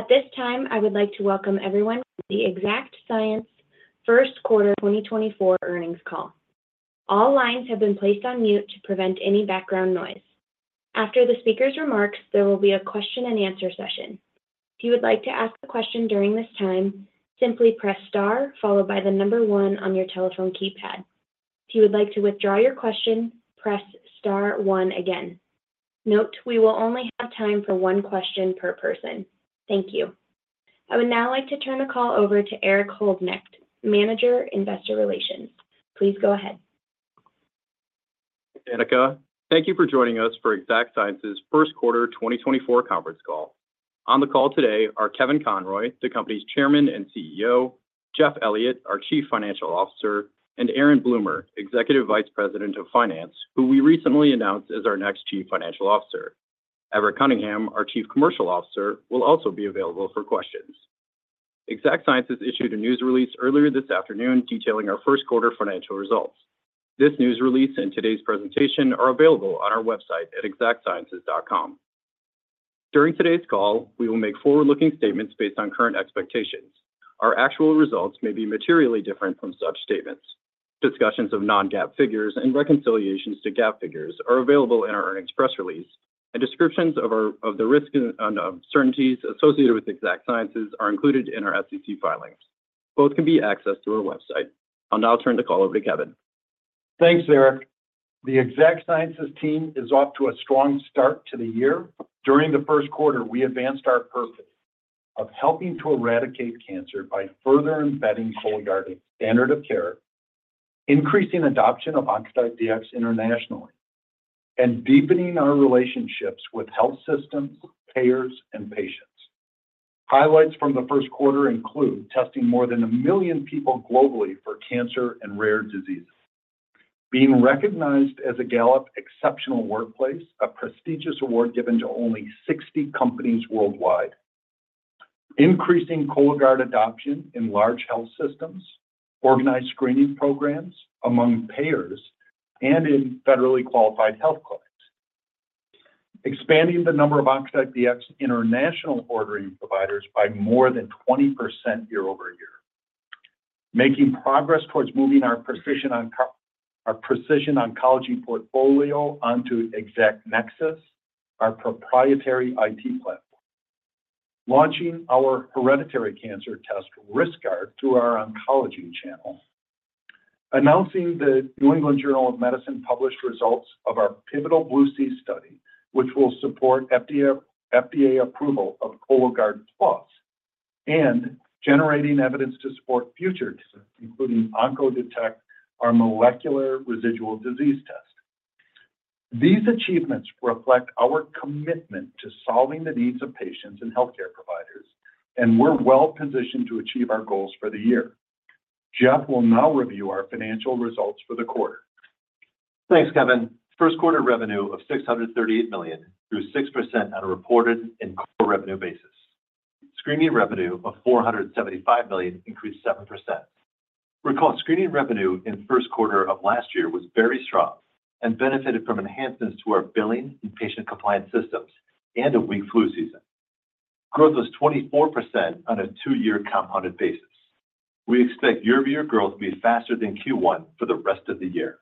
At this time, I would like to welcome everyone to the Exact Sciences first quarter 2024 earnings call. All lines have been placed on mute to prevent any background noise. After the speaker's remarks, there will be a question and answer session. If you would like to ask a question during this time, simply press star followed by the number one on your telephone keypad. If you would like to withdraw your question, press star one again. Note, we will only have time for one question per person. Thank you. I would now like to turn the call over to Erik Holznecht, Manager, Investor Relations. Please go ahead. Danica, thank you for joining us for Exact Sciences first quarter 2024 conference call. On the call today are Kevin Conroy, the company's Chairman and CEO, Jeff Elliott, our Chief Financial Officer, and Aaron Bloomer, Executive Vice President of Finance, who we recently announced as our next Chief Financial Officer. Everett Cunningham, our Chief Commercial Officer, will also be available for questions. Exact Sciences issued a news release earlier this afternoon detailing our first quarter financial results. This news release and today's presentation are available on our website at exactsciences.com. During today's call, we will make forward-looking statements based on current expectations. Our actual results may be materially different from such statements. Discussions of non-GAAP figures and reconciliations to GAAP figures are available in our earnings press release, and descriptions of the risks and uncertainties associated with Exact Sciences are included in our SEC filings. Both can be accessed through our website. I'll now turn the call over to Kevin. Thanks, Eric. The Exact Sciences team is off to a strong start to the year. During the first quarter, we advanced our purpose of helping to eradicate cancer by further embedding Cologuard as standard of care, increasing adoption of Oncotype DX internationally, and deepening our relationships with health systems, payers, and patients. Highlights from the first quarter include testing more than 1 million people globally for cancer and rare diseases, being recognized as a Gallup Exceptional Workplace, a prestigious award given to only 60 companies worldwide. Increasing Cologuard adoption in large health systems, organized screening programs among payers and in federally qualified health clinics. Expanding the number of Oncotype DX international ordering providers by more than 20% year-over-year. Making progress towards moving our precision oncology portfolio onto Exact Nexus, our proprietary IT platform. Launching our hereditary cancer test, RiskGuard, to our oncology channel. Announcing the New England Journal of Medicine published results of our pivotal BLUE-C study, which will support FDA approval of Cologuard Plus, and generating evidence to support future decisions, including OncoDetect, our molecular residual disease test. These achievements reflect our commitment to solving the needs of patients and healthcare providers, and we're well-positioned to achieve our goals for the year. Jeff will now review our financial results for the quarter. Thanks, Kevin. First quarter revenue of $638 million grew 6% on a reported and core revenue basis. Screening revenue of $475 million increased 7%. Recall, screening revenue in first quarter of last year was very strong and benefited from enhancements to our billing and patient compliance systems and a weak flu season. Growth was 24% on a two-year compounded basis. We expect year-over-year growth to be faster than Q1 for the rest of the year.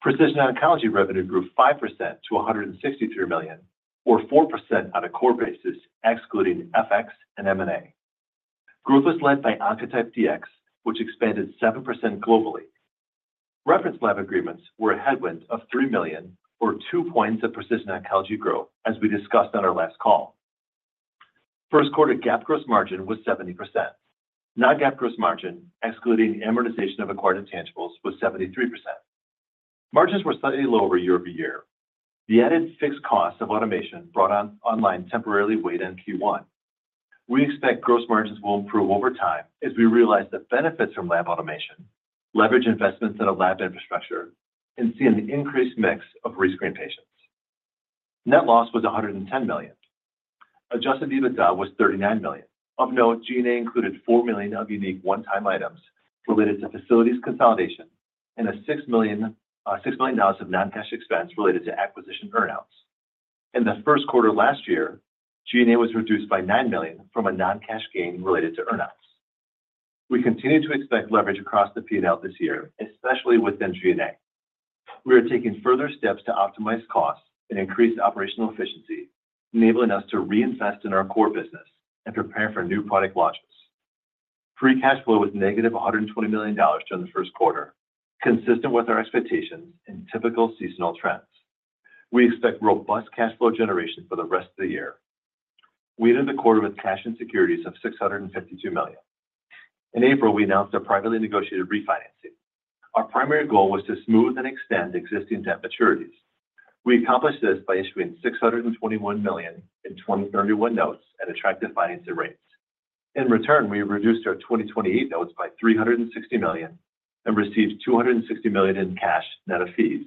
Precision oncology revenue grew 5% to $163 million, or 4% on a core basis, excluding FX and M&A. Growth was led by Oncotype DX, which expanded 7% globally. Reference lab agreements were a headwind of $3 million, or two points of precision oncology growth, as we discussed on our last call. First quarter GAAP gross margin was 70%. Non-GAAP gross margin, excluding amortization of acquired intangibles, was 73%. Margins were slightly lower year-over-year. The added fixed costs of automation brought online temporarily weighed in Q1. We expect gross margins will improve over time as we realize the benefits from lab automation, leverage investments in our lab infrastructure, and see an increased mix of rescreen patients. Net loss was $110 million. Adjusted EBITDA was $39 million. Of note, G&A included $4 million of unique one-time items related to facilities consolidation and a $6 million, $6 million dollars of non-cash expense related to acquisition earn-outs. In the first quarter last year, G&A was reduced by $9 million from a non-cash gain related to earn-outs. We continue to expect leverage across the P&L this year, especially within G&A. We are taking further steps to optimize costs and increase operational efficiency, enabling us to reinvest in our core business and prepare for new product launches. Free cash flow was negative $120 million during the first quarter, consistent with our expectations and typical seasonal trends. We expect robust cash flow generation for the rest of the year. We ended the quarter with cash and securities of $652 million. In April, we announced a privately negotiated refinancing. Our primary goal was to smooth and extend existing debt maturities. We accomplished this by issuing $621 million in 2031 notes at attractive financing rates. In return, we reduced our 2028 notes by $360 million and received $260 million in cash net of fees,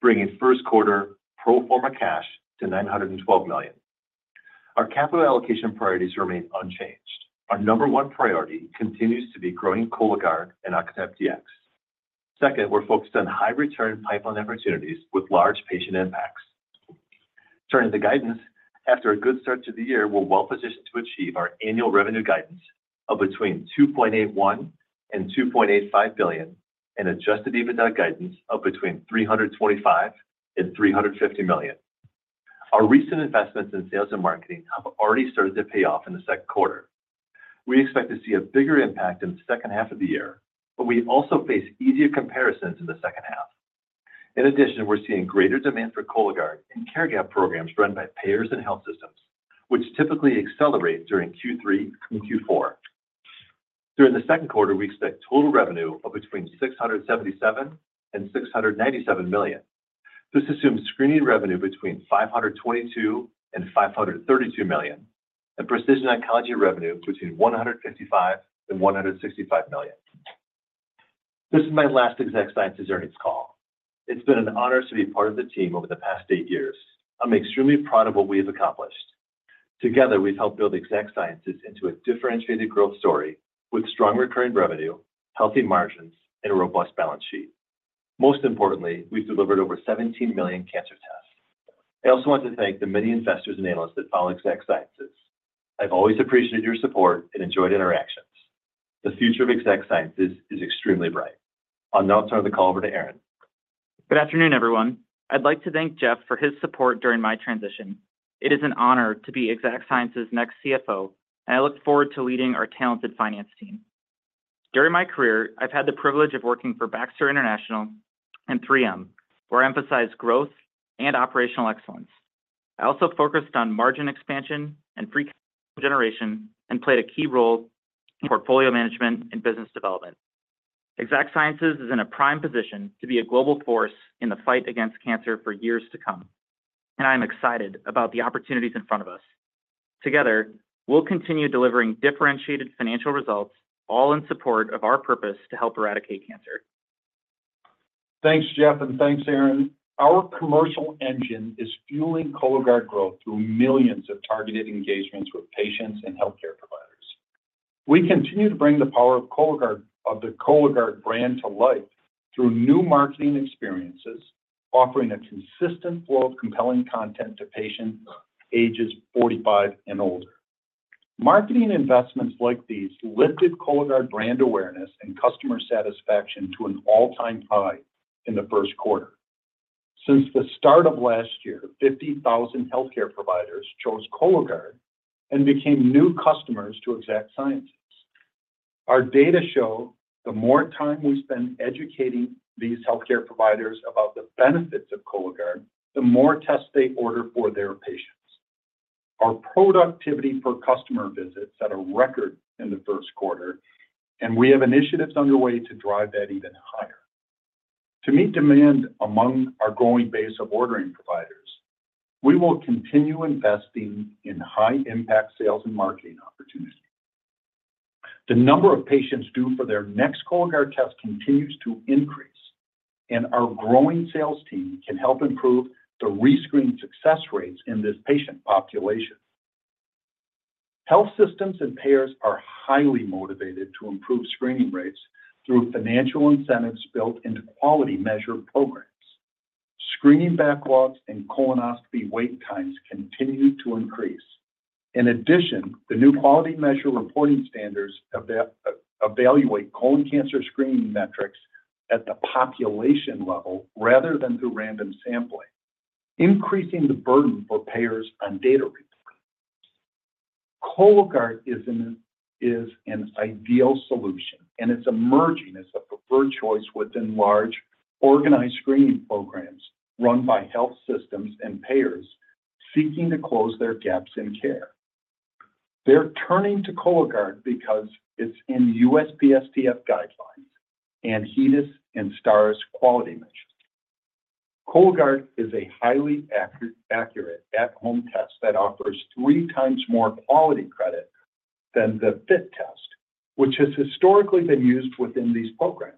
bringing first quarter pro forma cash to $912 million. Our capital allocation priorities remain unchanged. Our number one priority continues to be growing Cologuard and Oncotype DX.... Second, we're focused on high return pipeline opportunities with large patient impacts. Turning to the guidance, after a good start to the year, we're well positioned to achieve our annual revenue guidance of between $2.81 billion and $2.85 billion, and adjusted EBITDA guidance of between $325 million and $350 million. Our recent investments in sales and marketing have already started to pay off in the second quarter. We expect to see a bigger impact in the second half of the year, but we also face easier comparisons in the second half. In addition, we're seeing greater demand for Cologuard and care gap programs run by payers and health systems, which typically accelerate during Q3 and Q4. During the second quarter, we expect total revenue of between $677 million and $697 million. This assumes screening revenue between $522 million and $532 million, and precision oncology revenue between $155 million and $165 million. This is my last Exact Sciences earnings call. It's been an honor to be part of the team over the past 8 years. I'm extremely proud of what we have accomplished. Together, we've helped build Exact Sciences into a differentiated growth story with strong recurring revenue, healthy margins, and a robust balance sheet. Most importantly, we've delivered over 17 million cancer tests. I also want to thank the many investors and analysts that follow Exact Sciences. I've always appreciated your support and enjoyed interactions. The future of Exact Sciences is extremely bright. I'll now turn the call over to Aaron. Good afternoon, everyone. I'd like to thank Jeff for his support during my transition. It is an honor to be Exact Sciences' next CFO, and I look forward to leading our talented finance team. During my career, I've had the privilege of working for Baxter International and 3M, where I emphasized growth and operational excellence. I also focused on margin expansion and free cash flow generation, and played a key role in portfolio management and business development. Exact Sciences is in a prime position to be a global force in the fight against cancer for years to come, and I am excited about the opportunities in front of us. Together, we'll continue delivering differentiated financial results, all in support of our purpose to help eradicate cancer. Thanks, Jeff, and thanks, Aaron. Our commercial engine is fueling Cologuard growth through millions of targeted engagements with patients and healthcare providers. We continue to bring the power of Cologuard, of the Cologuard brand to life through new marketing experiences, offering a consistent flow of compelling content to patients ages 45 and older. Marketing investments like these lifted Cologuard brand awareness and customer satisfaction to an all-time high in the first quarter. Since the start of last year, 50,000 healthcare providers chose Cologuard and became new customers to Exact Sciences. Our data show the more time we spend educating these healthcare providers about the benefits of Cologuard, the more tests they order for their patients. Our productivity per customer visits set a record in the first quarter, and we have initiatives underway to drive that even higher. To meet demand among our growing base of ordering providers, we will continue investing in high-impact sales and marketing opportunities. The number of patients due for their next Cologuard test continues to increase, and our growing sales team can help improve the rescreen success rates in this patient population. Health systems and payers are highly motivated to improve screening rates through financial incentives built into quality measure programs. Screening backlogs and colonoscopy wait times continue to increase. In addition, the new quality measure reporting standards evaluate colon cancer screening metrics at the population level rather than through random sampling, increasing the burden for payers on data entry. Cologuard is an ideal solution, and it's emerging as a preferred choice within large organized screening programs run by health systems and payers seeking to close their gaps in care. They're turning to Cologuard because it's in the USPSTF guidelines and HEDIS and Stars quality measures. Cologuard is a highly accurate, accurate at-home test that offers three times more quality credit than the FIT test, which has historically been used within these programs.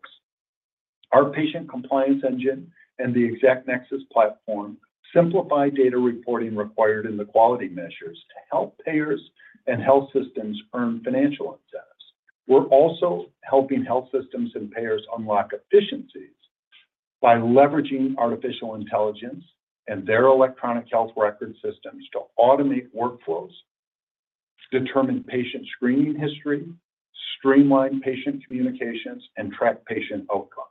Our patient compliance engine and the Exact Nexus platform simplify data reporting required in the quality measures to help payers and health systems earn financial incentives. We're also helping health systems and payers unlock efficiencies by leveraging artificial intelligence and their electronic health record systems to automate workflows, determine patient screening history, streamline patient communications, and track patient outcomes.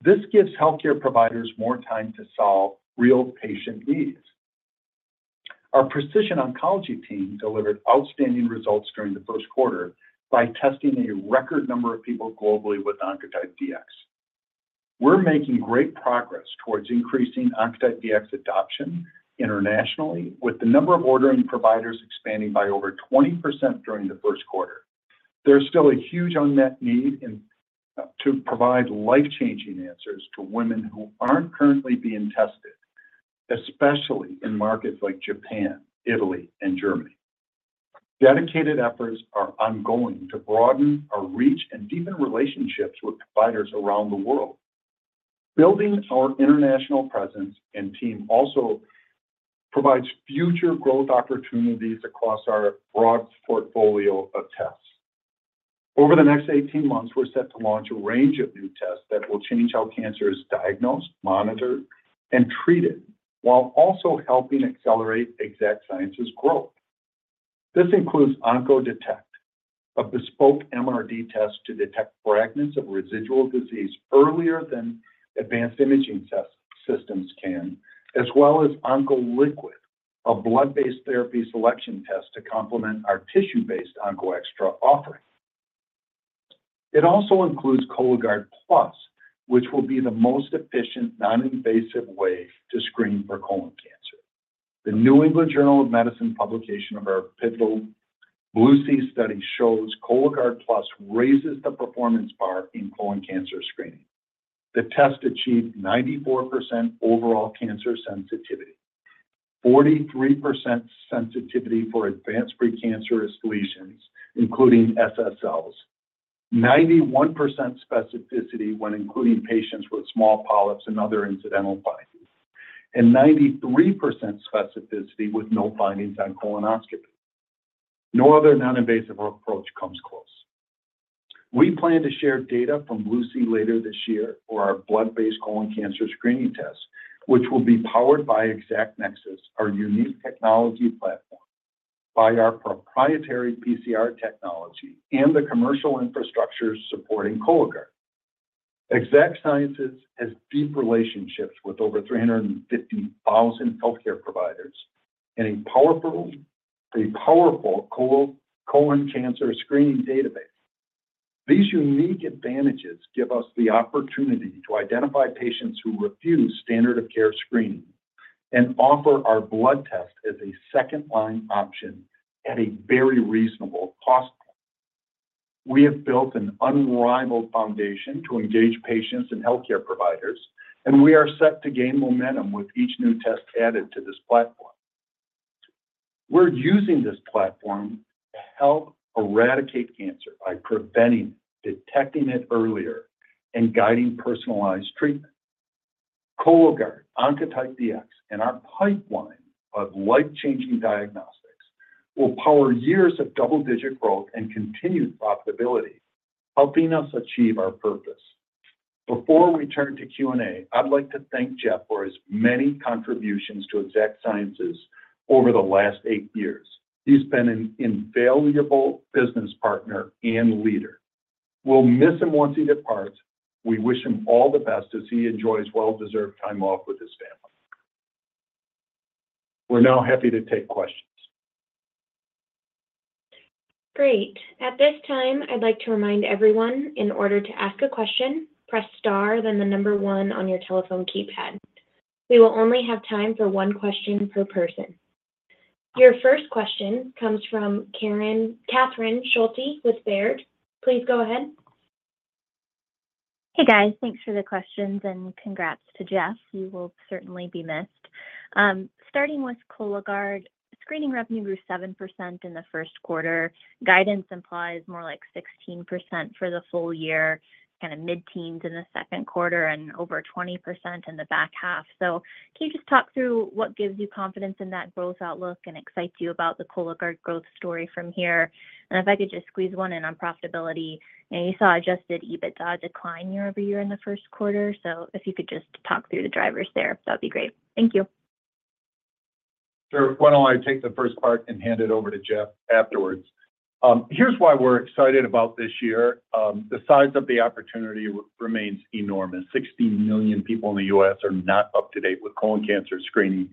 This gives healthcare providers more time to solve real patient needs. Our precision oncology team delivered outstanding results during the first quarter by testing a record number of people globally with Oncotype DX. We're making great progress towards increasing Oncotype DX adoption internationally, with the number of ordering providers expanding by over 20% during the first quarter. There's still a huge unmet need to provide life-changing answers to women who aren't currently being tested, especially in markets like Japan, Italy, and Germany. Dedicated efforts are ongoing to broaden our reach and deepen relationships with providers around the world. Building our international presence and team also provides future growth opportunities across our broad portfolio of tests. Over the next 18 months, we're set to launch a range of new tests that will change how cancer is diagnosed, monitored, and treated, while also helping accelerate Exact Sciences' growth. This includes OncoDetect, a bespoke MRD test to detect fragments of residual disease earlier than advanced imaging test systems can, as well as OncoLiquid, a blood-based therapy selection test to complement our tissue-based OncoExTra offering. It also includes Cologuard Plus, which will be the most efficient, non-invasive way to screen for colon cancer. The New England Journal of Medicine publication of our pivotal BLUE-C study shows Cologuard Plus raises the performance bar in colon cancer screening. The test achieved 94% overall cancer sensitivity, 43% sensitivity for advanced precancerous lesions, including SSLs, 91% specificity when including patients with small polyps and other incidental findings, and 93% specificity with no findings on colonoscopy. No other non-invasive approach comes close. We plan to share data from BLUE-C later this year for our blood-based colon cancer screening test, which will be powered by Exact Nexus, our unique technology platform by our proprietary PCR technology and the commercial infrastructure supporting Cologuard. Exact Sciences has deep relationships with over 350,000 healthcare providers and a powerful colon cancer screening database. These unique advantages give us the opportunity to identify patients who refuse standard of care screening and offer our blood test as a second-line option at a very reasonable cost. We have built an unrivaled foundation to engage patients and healthcare providers, and we are set to gain momentum with each new test added to this platform. We're using this platform to help eradicate cancer by preventing, detecting it earlier, and guiding personalized treatment. Cologuard, Oncotype DX, and our pipeline of life-changing diagnostics will power years of double-digit growth and continued profitability, helping us achieve our purpose. Before we turn to Q&A, I'd like to thank Jeff for his many contributions to Exact Sciences over the last eight years. He's been an invaluable business partner and leader. We'll miss him once he departs. We wish him all the best as he enjoys well-deserved time off with his family. We're now happy to take questions. Great. At this time, I'd like to remind everyone, in order to ask a question, press star, then the number one on your telephone keypad. We will only have time for one question per person. Your first question comes from Karen... Catherine Schulte with Baird. Please go ahead. Hey, guys. Thanks for the questions and congrats to Jeff. You will certainly be missed. Starting with Cologuard, screening revenue grew 7% in the first quarter. Guidance implies more like 16% for the full year, kind of mid-teens in the second quarter and over 20% in the back half. So can you just talk through what gives you confidence in that growth outlook and excites you about the Cologuard growth story from here? And if I could just squeeze one in on profitability. I know you saw adjusted EBITDA decline year-over-year in the first quarter, so if you could just talk through the drivers there, that'd be great. Thank you. Sure. Why don't I take the first part and hand it over to Jeff afterwards? Here's why we're excited about this year. The size of the opportunity remains enormous. 60 million people in the U.S. are not up to date with colon cancer screening,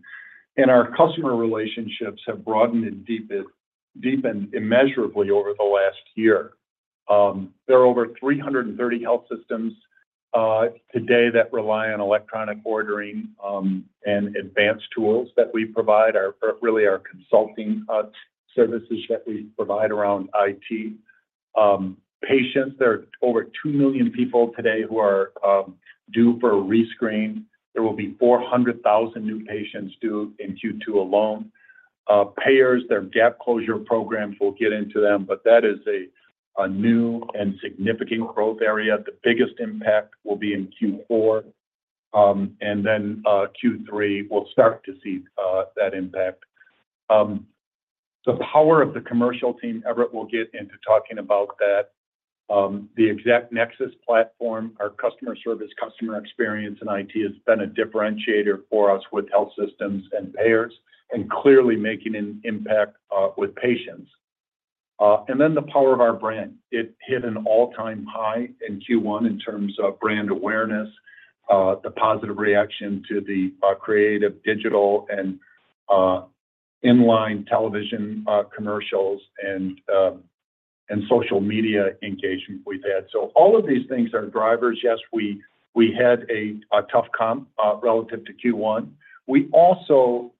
and our customer relationships have broadened and deepened, deepened immeasurably over the last year. There are over 330 health systems today that rely on electronic ordering and advanced tools that we provide or, or really our consulting services that we provide around IT. Patients, there are over 2 million people today who are due for a rescreen. There will be 400,000 new patients due in Q2 alone. Payers, their gap closure programs, we'll get into them, but that is a new and significant growth area. The biggest impact will be in Q4, and then Q3, we'll start to see that impact. The power of the commercial team, Everett will get into talking about that. The Exact Nexus platform, our customer service, customer experience, and IT has been a differentiator for us with health systems and payers and clearly making an impact with patients. And then the power of our brand. It hit an all-time high in Q1 in terms of brand awareness, the positive reaction to the creative, digital and in-line television commercials and social media engagement we've had. So all of these things are drivers. Yes, we had a tough comp relative to Q1. We also...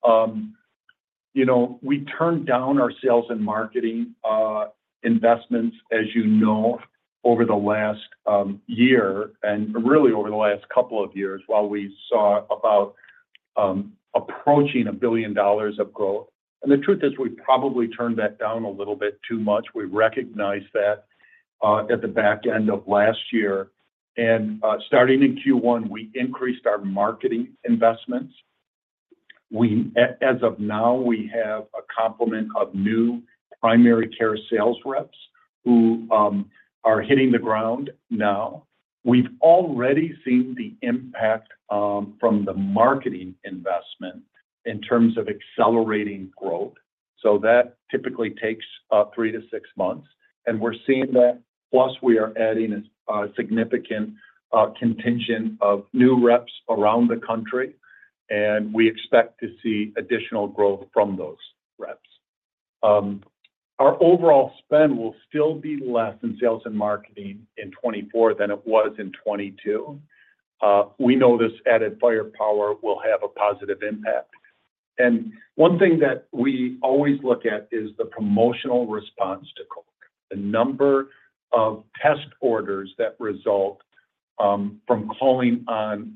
You know, we turned down our sales and marketing investments, as you know, over the last year, and really over the last couple of years, while we saw about approaching $1 billion of growth. The truth is, we probably turned that down a little bit too much. We recognized that at the back end of last year, and starting in Q1, we increased our marketing investments. As of now, we have a complement of new primary care sales reps who are hitting the ground now. We've already seen the impact from the marketing investment in terms of accelerating growth. So that typically takes 3 to 6 months, and we're seeing that. Plus, we are adding a significant contingent of new reps around the country, and we expect to see additional growth from those reps. Our overall spend will still be less in sales and marketing in 2024 than it was in 2022. We know this added firepower will have a positive impact, and one thing that we always look at is the promotional response to Cologuard, the number of test orders that result from calling on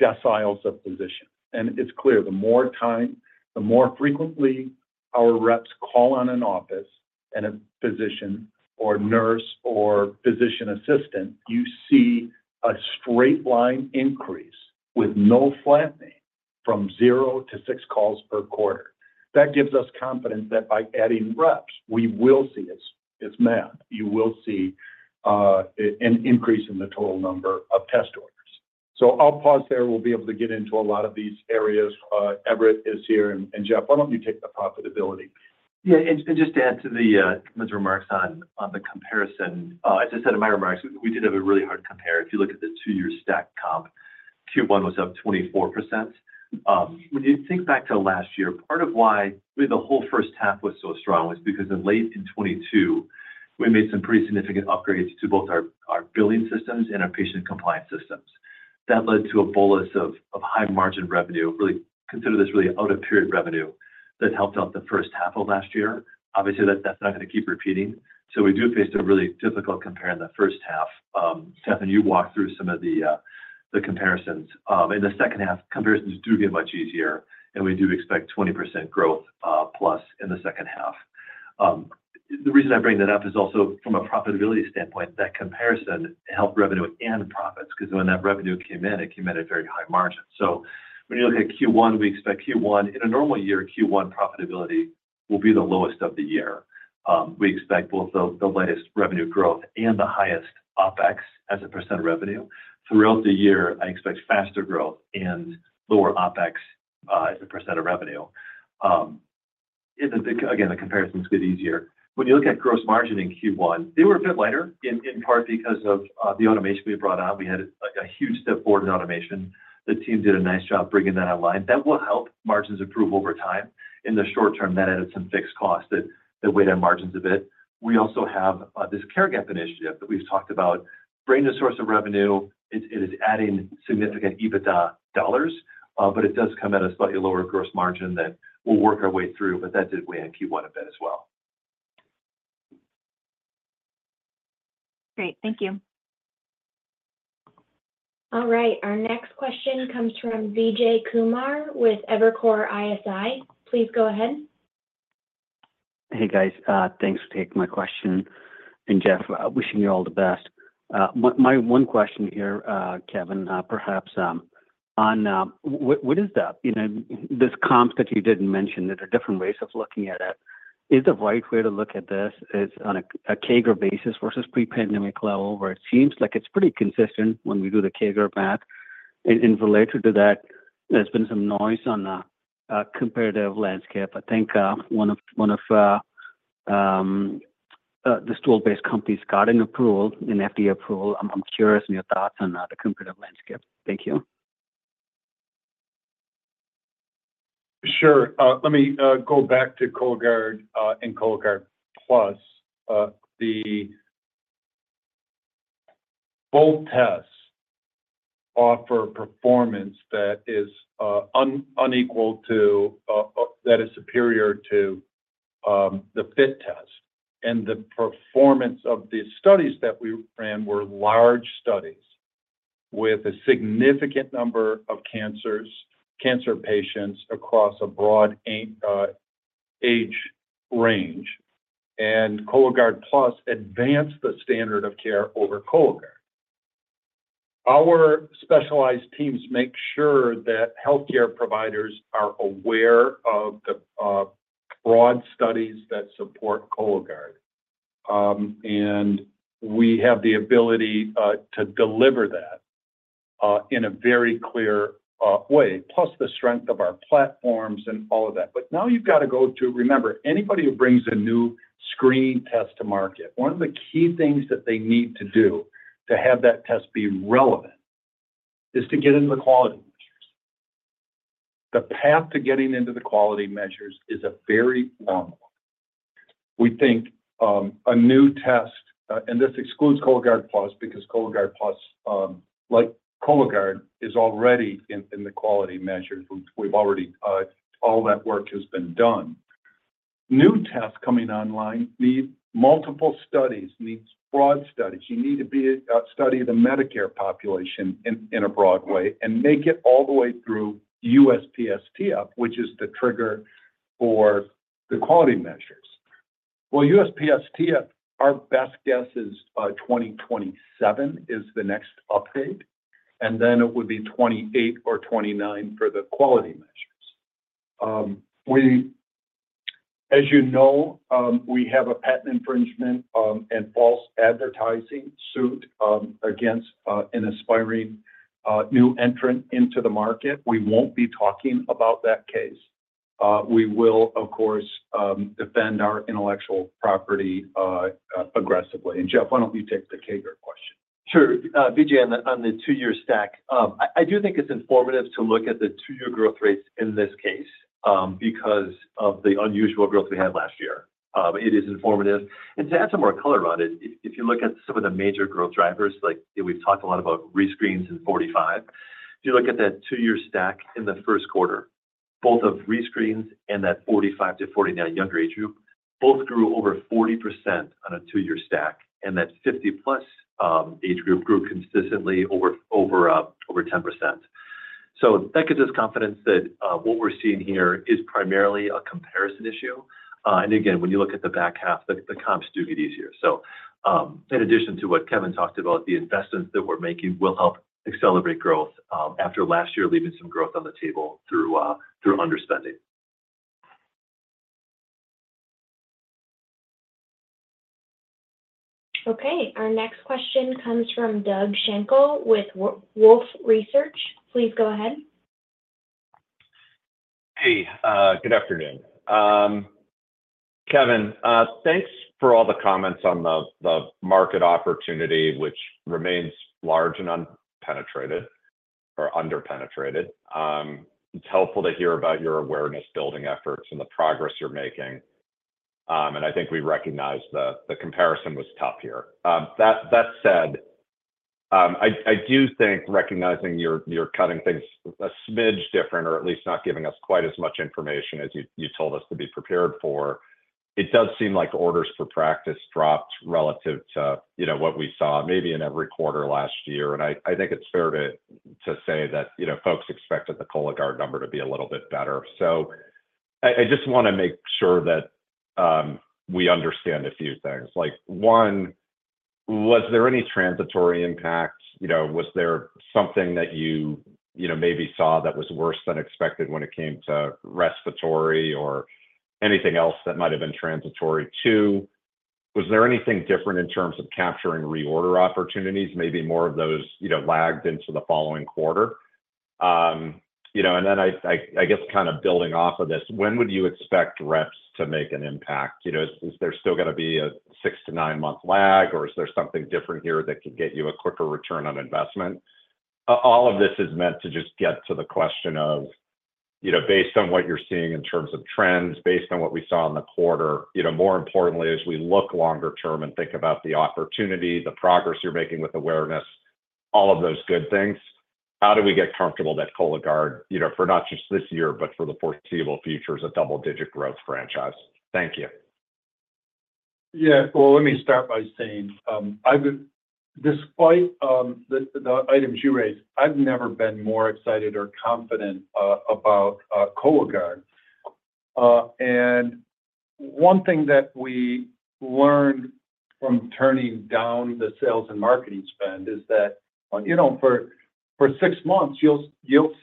deciles of physicians. And it's clear the more time, the more frequently our reps call on an office and a physician or nurse or physician assistant, you see a straight line increase with no flattening from 0 to 6 calls per quarter. That gives us confidence that by adding reps, we will see it's, it's math. You will see an increase in the total number of test orders. So I'll pause there. We'll be able to get into a lot of these areas. Everett is here, and Jeff, why don't you take the profitability? Yeah, and just to add to Kevin's remarks on the comparison, as I said in my remarks, we did have a really hard compare. If you look at the two-year stack comp, Q1 was up 24%. When you think back to last year, part of why the whole first half was so strong was because in late 2022, we made some pretty significant upgrades to both our billing systems and our patient compliance systems. That led to a bolus of high margin revenue. Really consider this really out-of-period revenue that helped out the first half of last year. Obviously, that's not going to keep repeating. So we do face a really difficult compare in the first half. Stefan, you walked through some of the comparisons. In the second half, comparisons do get much easier, and we do expect 20% growth plus in the second half. The reason I bring that up is also from a profitability standpoint, that comparison helped revenue and profits, because when that revenue came in, it came at a very high margin. So when you look at Q1, we expect Q1... In a normal year, Q1 profitability will be the lowest of the year. We expect both the lowest revenue growth and the highest OpEx as a percent of revenue. Throughout the year, I expect faster growth and lower OpEx as a percent of revenue. And again, the comparisons get easier. When you look at gross margin in Q1, they were a bit lighter in part because of the automation we brought on. We had a, like a huge step forward in automation. The team did a nice job bringing that online. That will help margins improve over time. In the short term, that added some fixed costs that weighed our margins a bit. We also have this care gap initiative that we've talked about, bringing a source of revenue. It is adding significant EBITDA dollars, but it does come at a slightly lower gross margin that we'll work our way through, but that did weigh on Q1 a bit as well. Great. Thank you. All right, our next question comes from Vijay Kumar with Evercore ISI. Please go ahead. Hey, guys. Thanks for taking my question. And Jeff, wishing you all the best. My one question here, Kevin, perhaps, on what is the, you know, these comps that you didn't mention, there are different ways of looking at it. Is the right way to look at this on a CAGR basis versus pre-pandemic level, where it seems like it's pretty consistent when we do the CAGR math? And related to that, there's been some noise on the comparative landscape. I think one of the stool-based companies got an approval, an FDA approval. I'm curious on your thoughts on the competitive landscape. Thank you. Sure. Let me go back to Cologuard and Cologuard Plus. The both tests offer performance that is unequaled to that is superior to the FIT test. And the performance of the studies that we ran were large studies with a significant number of cancers, cancer patients across a broad age range. And Cologuard Plus advanced the standard of care over Cologuard. Our specialized teams make sure that healthcare providers are aware of the broad studies that support Cologuard. And we have the ability to deliver that in a very clear way, plus the strength of our platforms and all of that. But now you've got to go to... Remember, anybody who brings a new screening test to market, one of the key things that they need to do to have that test be relevant is to get into the quality measures. The path to getting into the quality measures is a very long one. We think a new test, and this excludes Cologuard Plus, because Cologuard Plus, like Cologuard, is already in the quality measure. We've already all that work has been done. New tests coming online need multiple studies, needs broad studies. You need to study the Medicare population in a broad way and make it all the way through USPSTF, which is the trigger for the quality measures. Well, USPSTF, our best guess is 2027 is the next update, and then it would be 2028 or 2029 for the quality measures. As you know, we have a patent infringement and false advertising suit against an aspiring new entrant into the market. We won't be talking about that case. We will, of course, defend our intellectual property aggressively. And Jeff, why don't you take the CAGR question? Sure. Vijay, on the two-year stack, I do think it's informative to look at the two-year growth rates in this case, because of the unusual growth we had last year. It is informative, and to add some more color on it, if you look at some of the major growth drivers, like we've talked a lot about rescreens in 45. If you look at that two-year stack in the first quarter, both of rescreens and that 45-49 younger age group, both grew over 40% on a two-year stack, and that 50+ age group grew consistently over 10%. So that gives us confidence that what we're seeing here is primarily a comparison issue. And again, when you look at the back half, the comps do get easier. So, in addition to what Kevin talked about, the investments that we're making will help accelerate growth after last year, leaving some growth on the table through underspending. Okay. Our next question comes from Doug Schenkel with Wolfe Research. Please go ahead. Hey, good afternoon. Kevin, thanks for all the comments on the market opportunity, which remains large and unpenetrated or under-penetrated. It's helpful to hear about your awareness-building efforts and the progress you're making. And I think we recognize the comparison was tough here. That said, I do think recognizing you're cutting things a smidge different, or at least not giving us quite as much information as you told us to be prepared for. It does seem like orders for practice dropped relative to, you know, what we saw maybe in every quarter last year. And I think it's fair to say that, you know, folks expected the Cologuard number to be a little bit better. So I just want to make sure that we understand a few things. Like, 1, was there any transitory impact? You know, was there something that you, you know, maybe saw that was worse than expected when it came to respiratory or anything else that might have been transitory? 2, was there anything different in terms of capturing reorder opportunities? Maybe more of those, you know, lagged into the following quarter. You know, and then I guess kind of building off of this, when would you expect reps to make an impact? You know, is there still going to be a 6-to-9-month lag, or is there something different here that could get you a quicker return on investment? All of this is meant to just get to the question of, you know, based on what you're seeing in terms of trends, based on what we saw in the quarter, you know, more importantly, as we look longer term and think about the opportunity, the progress you're making with awareness, all of those good things, how do we get comfortable that Cologuard, you know, for not just this year, but for the foreseeable future, is a double-digit growth franchise? Thank you. Yeah. Well, let me start by saying, I've despite the items you raised, I've never been more excited or confident about Cologuard. And one thing that we learned from turning down the sales and marketing spend is that, you know, for six months, you'll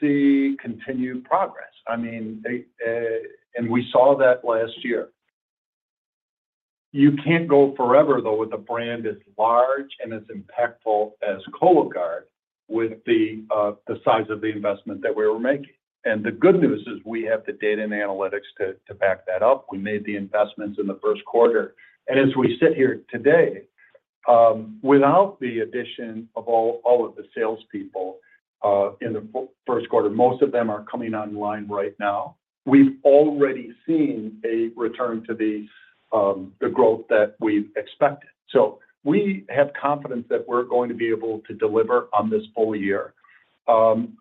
see continued progress. I mean, and we saw that last year. You can't go forever, though, with a brand as large and as impactful as Cologuard with the size of the investment that we were making. And the good news is we have the data and analytics to back that up. We made the investments in the first quarter. And as we sit here today, without the addition of all of the salespeople in the first quarter, most of them are coming online right now. We've already seen a return to the, the growth that we've expected. So we have confidence that we're going to be able to deliver on this full year. And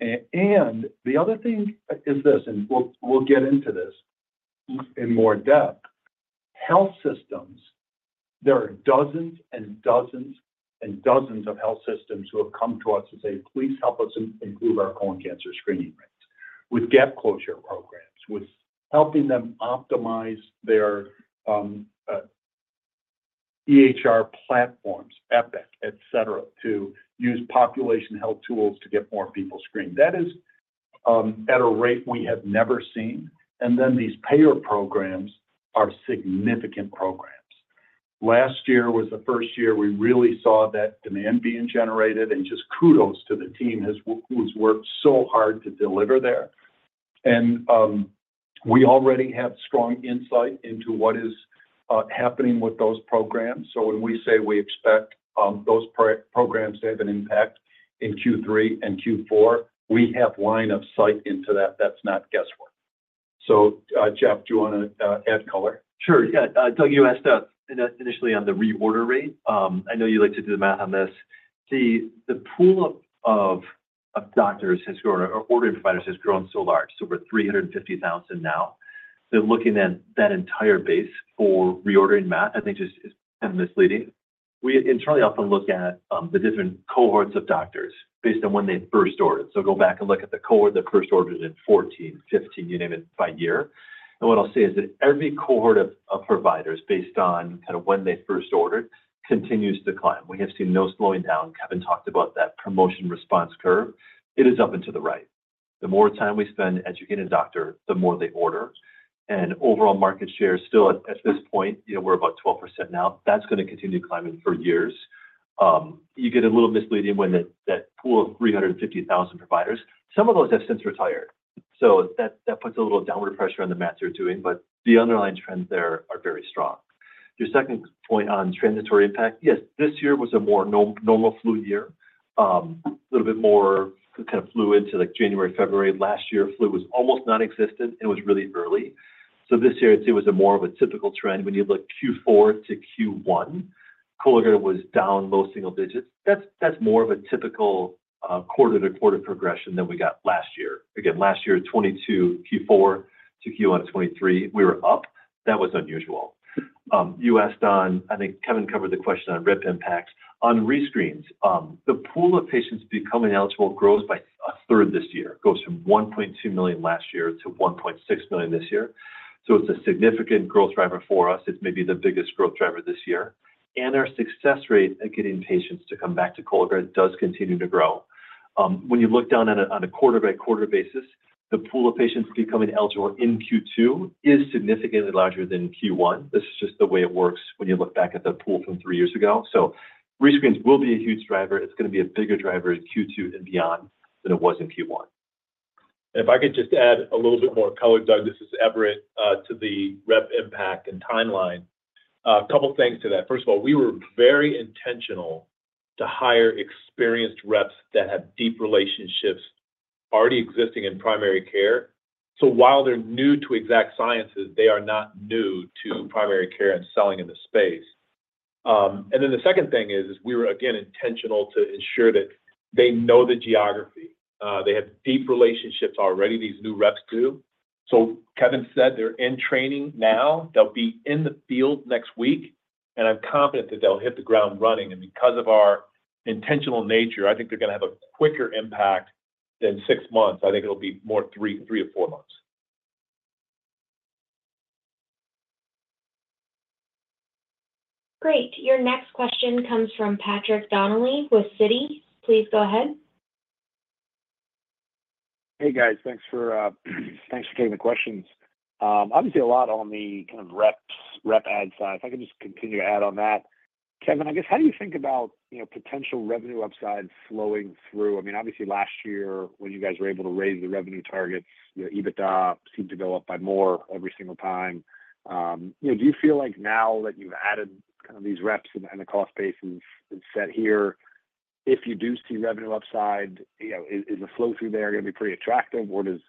the other thing is this, and we'll get into this in more depth. Health systems, there are dozens and dozens and dozens of health systems who have come to us and say, "Please help us improve our colon cancer screening rates." With gap closure programs, with helping them optimize their, EHR platforms, Epic, et cetera, to use population health tools to get more people screened. That is, at a rate we have never seen. And then these payer programs are significant programs. Last year was the first year we really saw that demand being generated, and just kudos to the team who has worked so hard to deliver there. We already have strong insight into what is happening with those programs. So when we say we expect those programs to have an impact in Q3 and Q4, we have line of sight into that. That's not guesswork. So, Jeff, do you want to add color? Sure, yeah. Doug, you asked us initially on the reorder rate. I know you like to do the math on this. The pool of ordering providers has grown so large, it's over 350,000 now, that looking at that entire base for reordering math, I think, is kind of misleading. We internally often look at the different cohorts of doctors based on when they first ordered. So go back and look at the cohort that first ordered in 2014, 2015, you name it, by year. And what I'll say is that every cohort of providers, based on kind of when they first ordered, continues to climb. We have seen no slowing down. Kevin talked about that promotion response curve. It is up and to the right. The more time we spend educating a doctor, the more they order. Overall market share is still at this point, you know, we're about 12% now. That's going to continue climbing for years. You get a little misleading when that pool of 350,000 providers, some of those have since retired, so that puts a little downward pressure on the math you're doing, but the underlying trends there are very strong. Your second point on transitory impact, yes, this year was a more normal flu year. A little bit more kind of flu into, like, January, February. Last year, flu was almost non-existent, and it was really early. So this year, it was a more of a typical trend. When you look Q4 to Q1, Cologuard was down low single digits. That's, that's more of a typical quarter-to-quarter progression than we got last year. Again, last year, 2022, Q4 to Q1 2023, we were up. That was unusual. You asked on... I think Kevin covered the question on rep impact. On rescreens, the pool of patients becoming eligible grows by a third this year. Goes from 1.2 million last year to 1.6 million this year. So it's a significant growth driver for us. It's maybe the biggest growth driver this year, and our success rate at getting patients to come back to Cologuard does continue to grow. When you look down at on a quarter-by-quarter basis, the pool of patients becoming eligible in Q2 is significantly larger than Q1. This is just the way it works when you look back at the pool from three years ago. Rescreens will be a huge driver. It's going to be a bigger driver in Q2 and beyond than it was in Q1. If I could just add a little bit more color, Doug, this is Everett, to the rep impact and timeline. A couple things to that. First of all, we were very intentional to hire experienced reps that have deep relationships already existing in primary care. So while they're new to Exact Sciences, they are not new to primary care and selling in this space. And then the second thing is, we were, again, intentional to ensure that they know the geography. They have deep relationships already, these new reps do. So Kevin said they're in training now. They'll be in the field next week, and I'm confident that they'll hit the ground running. And because of our intentional nature, I think they're going to have a quicker impact than six months. I think it'll be more three, three to four months. Great. Your next question comes from Patrick Donnelly with Citi. Please go ahead. Hey, guys. Thanks for taking the questions. Obviously, a lot on the kind of rep add side. If I can just continue to add on that. Kevin, I guess, how do you think about, you know, potential revenue upside flowing through? I mean, obviously, last year, when you guys were able to raise the revenue targets, your EBITDA seemed to go up by more every single time. You know, do you feel like now that you've added kind of these reps and the cost base is set here, if you do see revenue upside, you know, is the flow through there gonna be pretty attractive, or do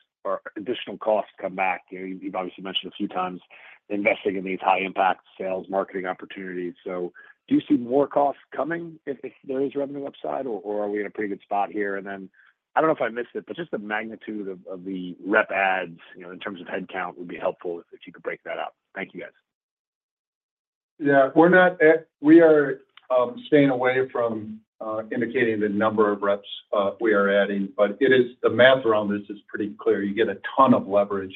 additional costs come back? You've obviously mentioned a few times investing in these high-impact sales marketing opportunities. So do you see more costs coming if there is revenue upside, or, or are we in a pretty good spot here? And then, I don't know if I missed it, but just the magnitude of, of the rep adds, you know, in terms of headcount, would be helpful if you could break that up. Thank you, guys. Yeah, we're not staying away from indicating the number of reps we are adding, but it is. The math around this is pretty clear. You get a ton of leverage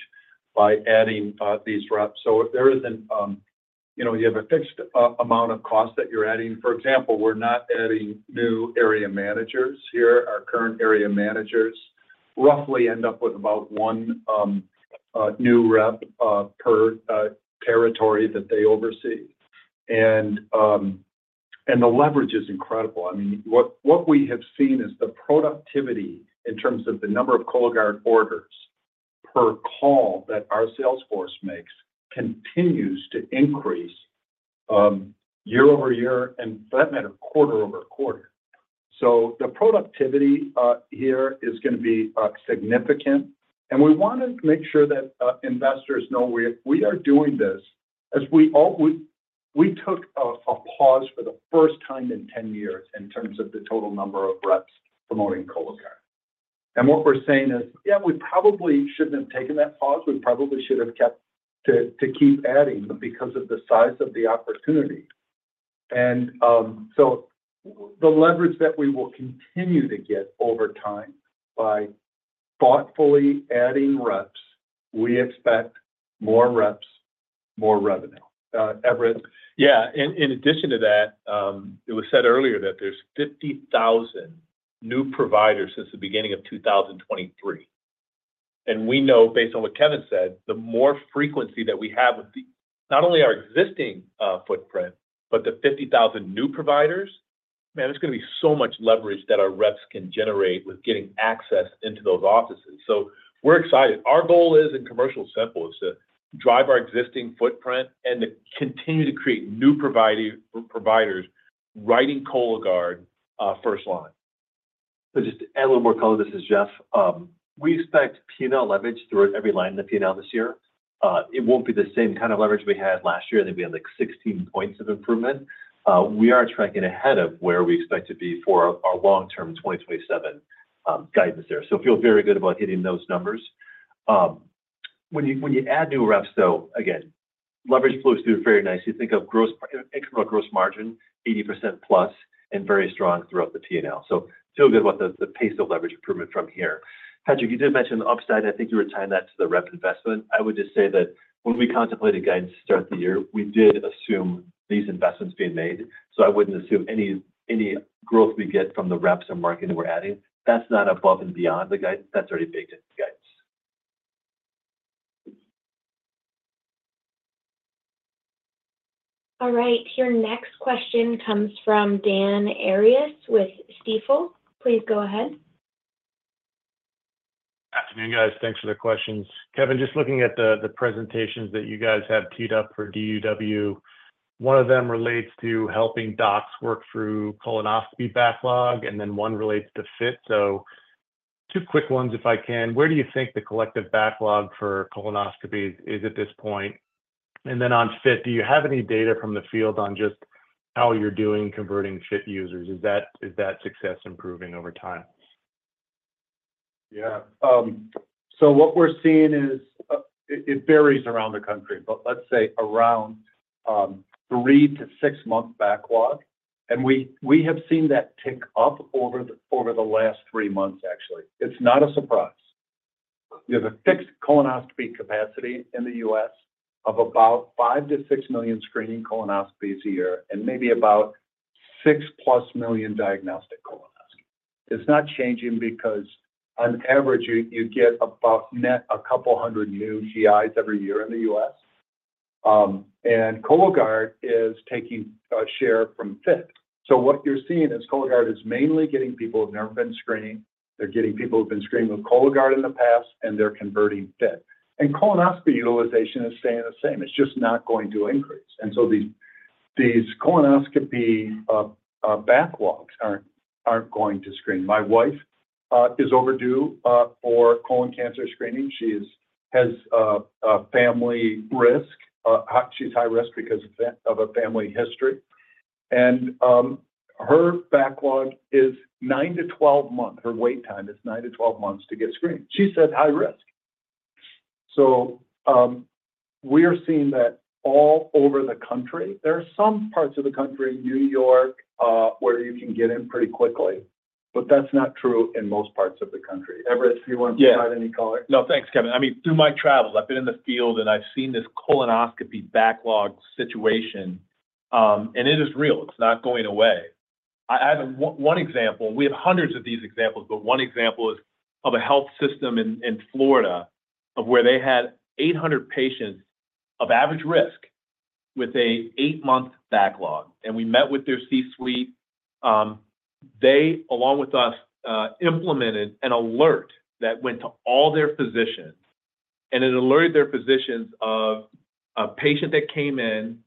by adding these reps. So if there isn't, you know, you have a fixed amount of cost that you're adding. For example, we're not adding new area managers here. Our current area managers roughly end up with about one new rep per territory that they oversee. And the leverage is incredible. I mean, what we have seen is the productivity in terms of the number of Cologuard orders per call that our sales force makes continues to increase year-over-year, and for that matter, quarter-over-quarter. So the productivity here is gonna be significant, and we want to make sure that investors know we are doing this as we took a pause for the first time in 10 years in terms of the total number of reps promoting Cologuard. And what we're saying is, yeah, we probably shouldn't have taken that pause. We probably should have kept to keep adding because of the size of the opportunity. And so the leverage that we will continue to get over time by thoughtfully adding reps, we expect more reps, more revenue. Everett? Yeah. In addition to that, it was said earlier that there's 50,000 new providers since the beginning of 2023, and we know, based on what Kevin said, the more frequency that we have with the, not only our existing footprint, but the 50,000 new providers, man, there's gonna be so much leverage that our reps can generate with getting access into those offices. So we're excited. Our goal is, in commercial simple, is to drive our existing footprint and to continue to create new providers writing Cologuard first line.... So just to add a little more color, this is Jeff. We expect P&L leverage throughout every line in the P&L this year. It won't be the same kind of leverage we had last year. I think we had, like, 16 points of improvement. We are tracking ahead of where we expect to be for our long-term 2027 guidance there. So feel very good about hitting those numbers. When you add new reps, though, again, leverage flows through very nicely. Think of gross- incremental gross margin, 80%+, and very strong throughout the P&L. So feel good about the pace of leverage improvement from here. Patrick, you did mention the upside, and I think you were tying that to the rep investment. I would just say that when we contemplated guidance to start the year, we did assume these investments being made, so I wouldn't assume any growth we get from the reps or market that we're adding. That's not above and beyond the guide- That's already baked in guides. All right, your next question comes from Dan Arias with Stifel. Please go ahead. Good afternoon, guys. Thanks for the questions. Kevin, just looking at the presentations that you guys have teed up for DDW, one of them relates to helping docs work through colonoscopy backlog, and then one relates to FIT. So two quick ones, if I can: Where do you think the collective backlog for colonoscopy is at this point? And then on FIT, do you have any data from the field on just how you're doing converting FIT users? Is that success improving over time? Yeah, so what we're seeing is. It varies around the country, but let's say around 3-6 months backlog. And we have seen that tick up over the last 3 months, actually. It's not a surprise. We have a fixed colonoscopy capacity in the US of about 5-6 million screening colonoscopies a year and maybe about 6+ million diagnostic colonoscopies. It's not changing because on average, you get about net 200 new GIs every year in the US. And Cologuard is taking a share from FIT. So what you're seeing is Cologuard is mainly getting people who've never been screened. They're getting people who've been screened with Cologuard in the past, and they're converting FIT. And colonoscopy utilization is staying the same. It's just not going to increase. And so these colonoscopy backlogs aren't going to screen. My wife is overdue for colon cancer screening. She has a family risk. She's high risk because of that, of a family history, and her backlog is 9-12 months. Her wait time is 9-12 months to get screened. She's at high risk. So, we are seeing that all over the country. There are some parts of the country, New York, where you can get in pretty quickly, but that's not true in most parts of the country. Everett, do you want to provide any color? Yeah. No, thanks, Kevin. I mean, through my travels, I've been in the field, and I've seen this colonoscopy backlog situation. And it is real. It's not going away. I have one example. We have hundreds of these examples, but one example is of a health system in Florida where they had 800 patients of average risk with an 8-month backlog, and we met with their C-suite. They, along with us, implemented an alert that went to all their physicians, and it alerted their physicians of a patient that came in.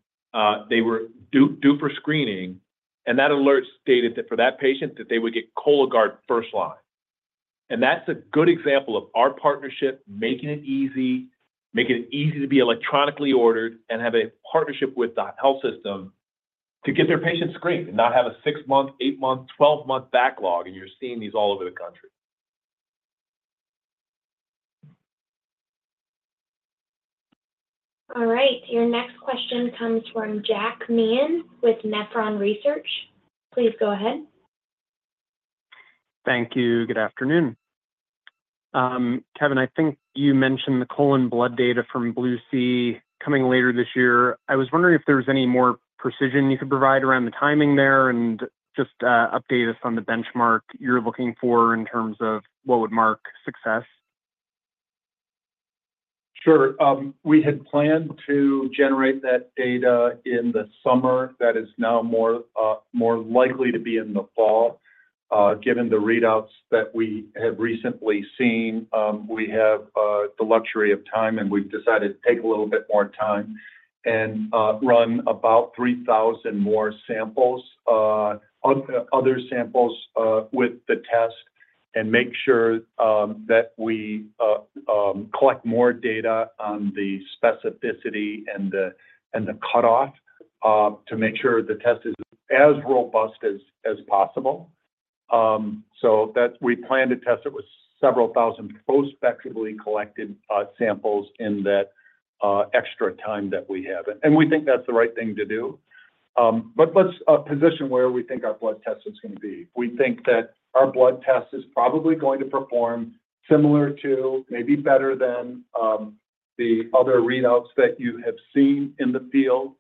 They were due for screening, and that alert stated that for that patient, that they would get Cologuard first line. That's a good example of our partnership, making it easy, making it easy to be electronically ordered and have a partnership with that health system to get their patients screened and not have a 6-month, 8-month, 12-month backlog, and you're seeing these all over the country. All right, your next question comes from Jack Meehan with Nephron Research. Please go ahead. Thank you. Good afternoon. Kevin, I think you mentioned the colon blood data from BLUE-C coming later this year. I was wondering if there was any more precision you could provide around the timing there, and just update us on the benchmark you're looking for in terms of what would mark success. Sure. We had planned to generate that data in the summer. That is now more likely to be in the fall. Given the readouts that we have recently seen, we have the luxury of time, and we've decided to take a little bit more time and run about 3,000 more samples, other samples, with the test and make sure that we collect more data on the specificity and the cutoff to make sure the test is as robust as possible. So that we plan to test it with several thousand prospectively collected samples in that extra time that we have. And we think that's the right thing to do. But let's position where we think our blood test is going to be. We think that our blood test is probably going to perform similar to maybe better than the other readouts that you have seen in the field.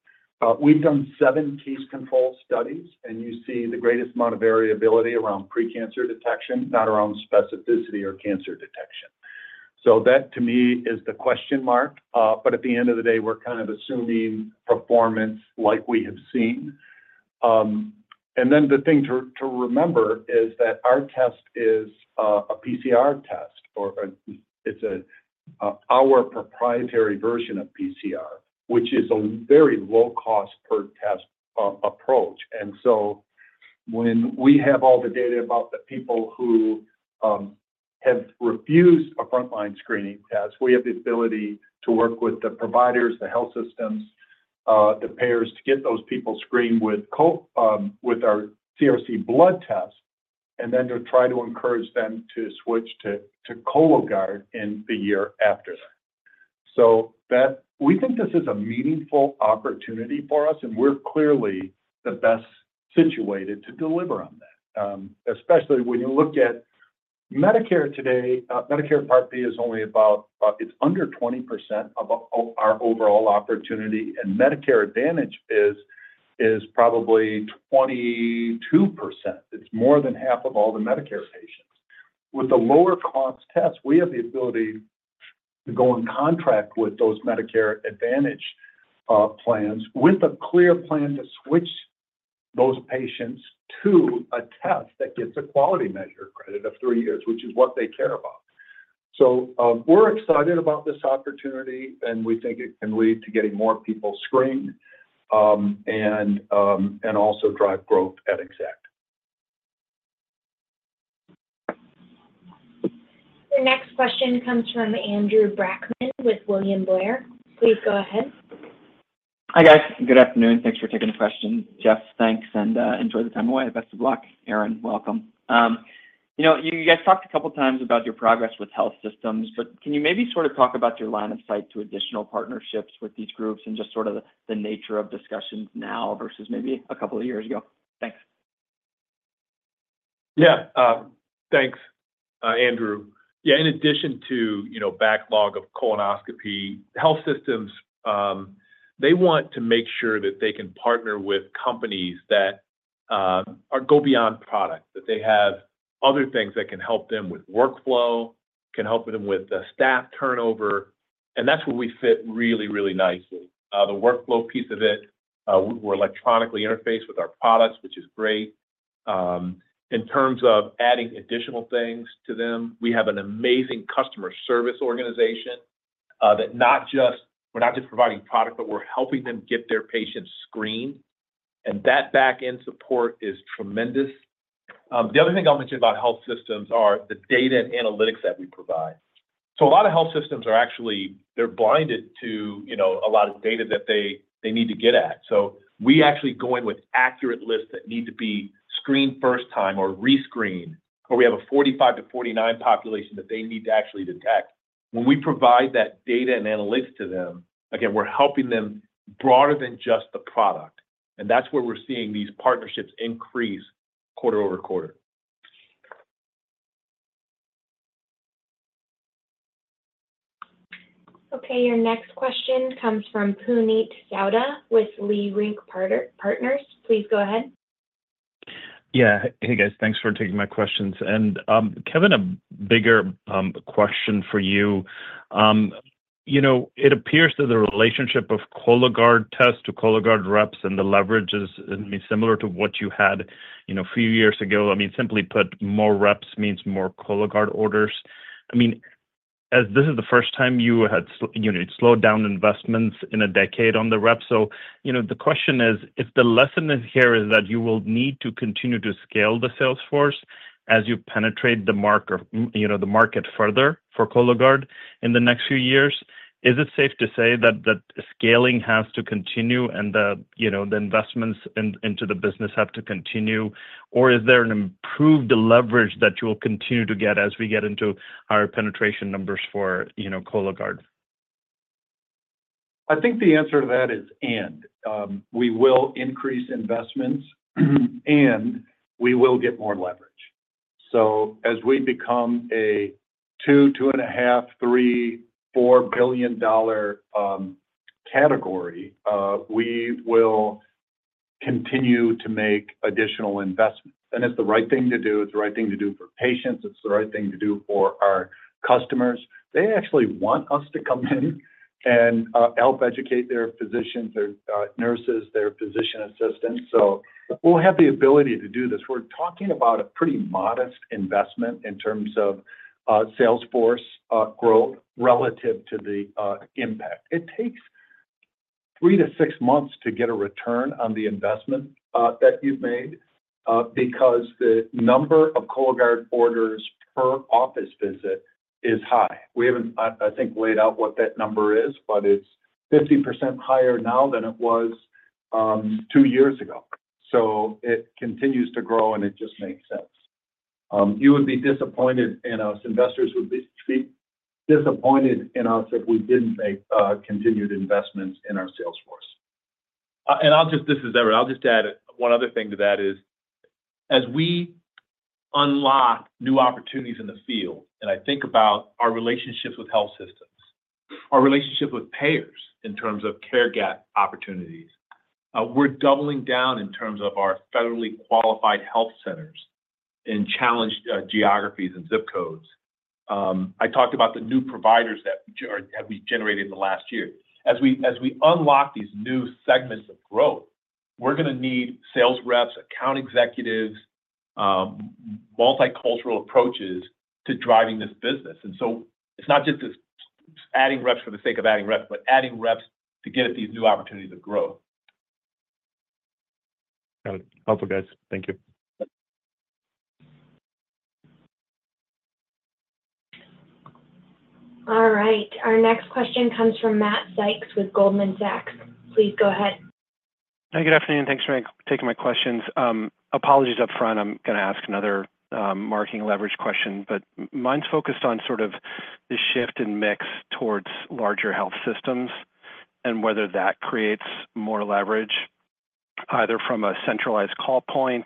We've done seven case control studies, and you see the greatest amount of variability around pre-cancer detection, not around specificity or cancer detection. So that, to me, is the question mark. But at the end of the day, we're kind of assuming performance like we have seen. And then the thing to remember is that our test is a PCR test, or it's our proprietary version of PCR, which is a very low cost per test approach. And so when we have all the data about the people who have refused a frontline screening test, we have the ability to work with the providers, the health systems, the payers, to get those people screened with our CRC blood test, and then to try to encourage them to switch to Cologuard in the year after that. So that we think this is a meaningful opportunity for us, and we're clearly the best situated to deliver on that. Especially when you look at Medicare today, Medicare Part B is only about, it's under 20% of our overall opportunity, and Medicare Advantage is probably 22%. It's more than half of all the Medicare patients. With a lower cost test, we have the ability to go and contract with those Medicare Advantage plans, with a clear plan to switch those patients to a test that gets a quality measure credit of three years, which is what they care about. So, we're excited about this opportunity, and we think it can lead to getting more people screened, and also drive growth at Exact. Your next question comes from Andrew Brackman with William Blair. Please go ahead. Hi, guys. Good afternoon. Thanks for taking the question. Jeff, thanks, and enjoy the time away. Best of luck, Aaron, welcome. You know, you guys talked a couple of times about your progress with health systems, but can you maybe sort of talk about your line of sight to additional partnerships with these groups and just sort of the nature of discussions now versus maybe a couple of years ago? Thanks. Yeah. Thanks, Andrew. Yeah, in addition to, you know, backlog of colonoscopy, health systems, they want to make sure that they can partner with companies that go beyond product, that they have other things that can help them with workflow, can help them with the staff turnover, and that's where we fit really, really nicely. The workflow piece of it, we're electronically interfaced with our products, which is great. In terms of adding additional things to them, we have an amazing customer service organization, that not just, we're not just providing product, but we're helping them get their patients screened, and that back-end support is tremendous. The other thing I'll mention about health systems are the data and analytics that we provide. So a lot of health systems are actually—they're blinded to, you know, a lot of data that they, they need to get at. So we actually go in with accurate lists that need to be screened first time or re-screened, or we have a 45-49 population that they need to actually detect. When we provide that data and analytics to them, again, we're helping them broader than just the product, and that's where we're seeing these partnerships increase quarter-over-quarter. Okay, your next question comes from Puneet Souda with Leerink Partners. Please go ahead. Yeah. Hey, guys. Thanks for taking my questions. And, Kevin, a bigger question for you. You know, it appears that the relationship of Cologuard test to Cologuard reps and the leverage is similar to what you had, you know, a few years ago. I mean, simply put, more reps means more Cologuard orders. I mean, as this is the first time you had slowed down investments in a decade on the rep. So, you know, the question is, if the lesson is here is that you will need to continue to scale the sales force as you penetrate the market, you know, the market further for Cologuard in the next few years, is it safe to say that the scaling has to continue and the, you know, the investments into the business have to continue? Or is there an improved leverage that you will continue to get as we get into higher penetration numbers for, you know, Cologuard? I think the answer to that is and. We will increase investments, and we will get more leverage. So as we become a $2, $2.5, $3, $4 billion category, we will continue to make additional investments. And it's the right thing to do, it's the right thing to do for patients, it's the right thing to do for our customers. They actually want us to come in and help educate their physicians, their nurses, their physician assistants. So we'll have the ability to do this. We're talking about a pretty modest investment in terms of sales force growth relative to the impact. It takes 3-6 months to get a return on the investment that you've made because the number of Cologuard orders per office visit is high. We haven't, I think, laid out what that number is, but it's 50% higher now than it was two years ago. So it continues to grow, and it just makes sense. You would be disappointed in us. Investors would be disappointed in us if we didn't make continued investments in our sales force. This is Aaron. I'll just add one other thing to that, as we unlock new opportunities in the field, and I think about our relationships with health systems, our relationship with payers in terms of care gap opportunities, we're doubling down in terms of our Federally Qualified Health Centers in challenged geographies and ZIP codes. I talked about the new providers that we generated in the last year. As we unlock these new segments of growth.... We're gonna need sales reps, account executives, multicultural approaches to driving this business. And so it's not just this adding reps for the sake of adding reps, but adding reps to get at these new opportunities of growth. Got it. Helpful, guys. Thank you. All right, our next question comes from Matt Sykes with Goldman Sachs. Please go ahead. Hi, good afternoon, and thanks for taking my questions. Apologies up front. I'm gonna ask another marketing leverage question, but mine's focused on sort of the shift in mix towards larger health systems and whether that creates more leverage, either from a centralized call point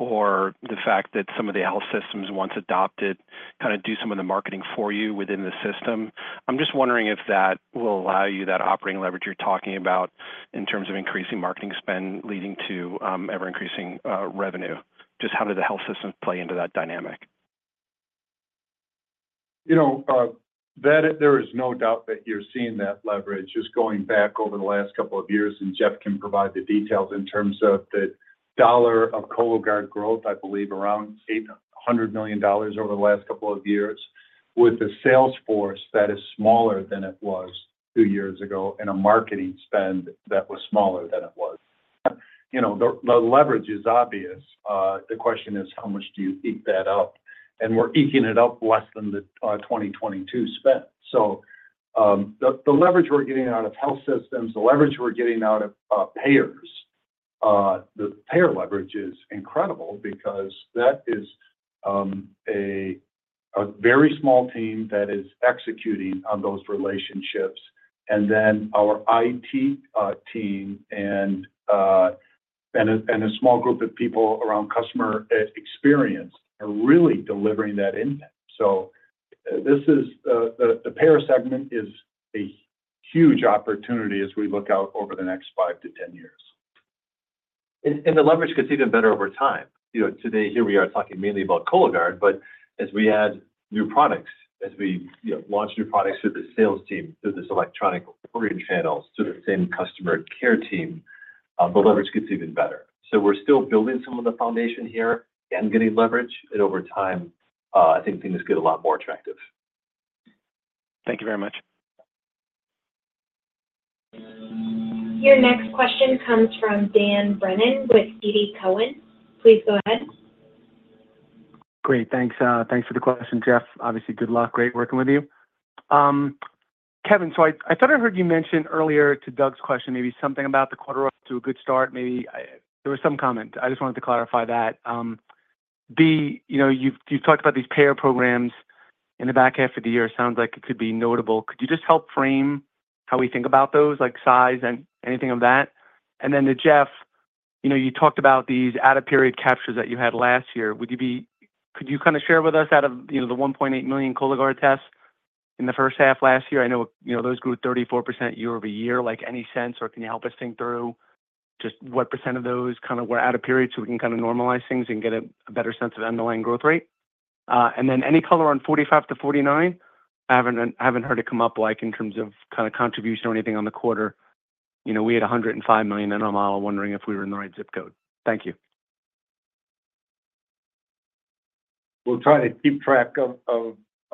or the fact that some of the health systems, once adopted, kind of do some of the marketing for you within the system. I'm just wondering if that will allow you that operating leverage you're talking about in terms of increasing marketing spend, leading to ever-increasing revenue. Just how did the health system play into that dynamic? You know, that there is no doubt that you're seeing that leverage. Just going back over the last couple of years, and Jeff can provide the details in terms of the dollar of Cologuard growth, I believe around $800 million over the last couple of years, with a sales force that is smaller than it was two years ago, and a marketing spend that was smaller than it was. You know, the leverage is obvious. The question is: how much do you eke that up? And we're eking it up less than the 2022 spend. So, the leverage we're getting out of health systems, the leverage we're getting out of payers, the payer leverage is incredible because that is a very small team that is executing on those relationships. And then our IT team and a small group of people around customer experience are really delivering that impact. So this is the payer segment is a huge opportunity as we look out over the next 5-10 years. And the leverage gets even better over time. You know, today, here we are talking mainly about Cologuard, but as we add new products, as we, you know, launch new products through the sales team, through this electronic ordering channels, through the same customer care team, the leverage gets even better. So we're still building some of the foundation here and getting leverage, and over time, I think things get a lot more attractive. Thank you very much. Your next question comes from Dan Brennan with TD Cowen. Please go ahead. Great, thanks. Thanks for the question, Jeff. Obviously, good luck. Great working with you. Kevin, so I thought I heard you mention earlier to Doug's question, maybe something about the quarter off to a good start. There was some comment. I just wanted to clarify that. B, you know, you've talked about these payer programs in the back half of the year. Sounds like it could be notable. Could you just help frame how we think about those, like size and anything of that? And then to Jeff, you know, you talked about these out-of-period captures that you had last year. Could you kind of share with us out of, you know, the 1.8 million Cologuard tests in the first half last year? I know, you know, those grew 34% year-over-year. Like, any sense, or can you help us think through just what % of those kind of were out of period, so we can kind of normalize things and get a better sense of underlying growth rate? And then any color on 45-49? I haven't heard it come up, like in terms of kind of contribution or anything on the quarter. You know, we had $105 million in our model, wondering if we were in the right ZIP code. Thank you. We'll try to keep track of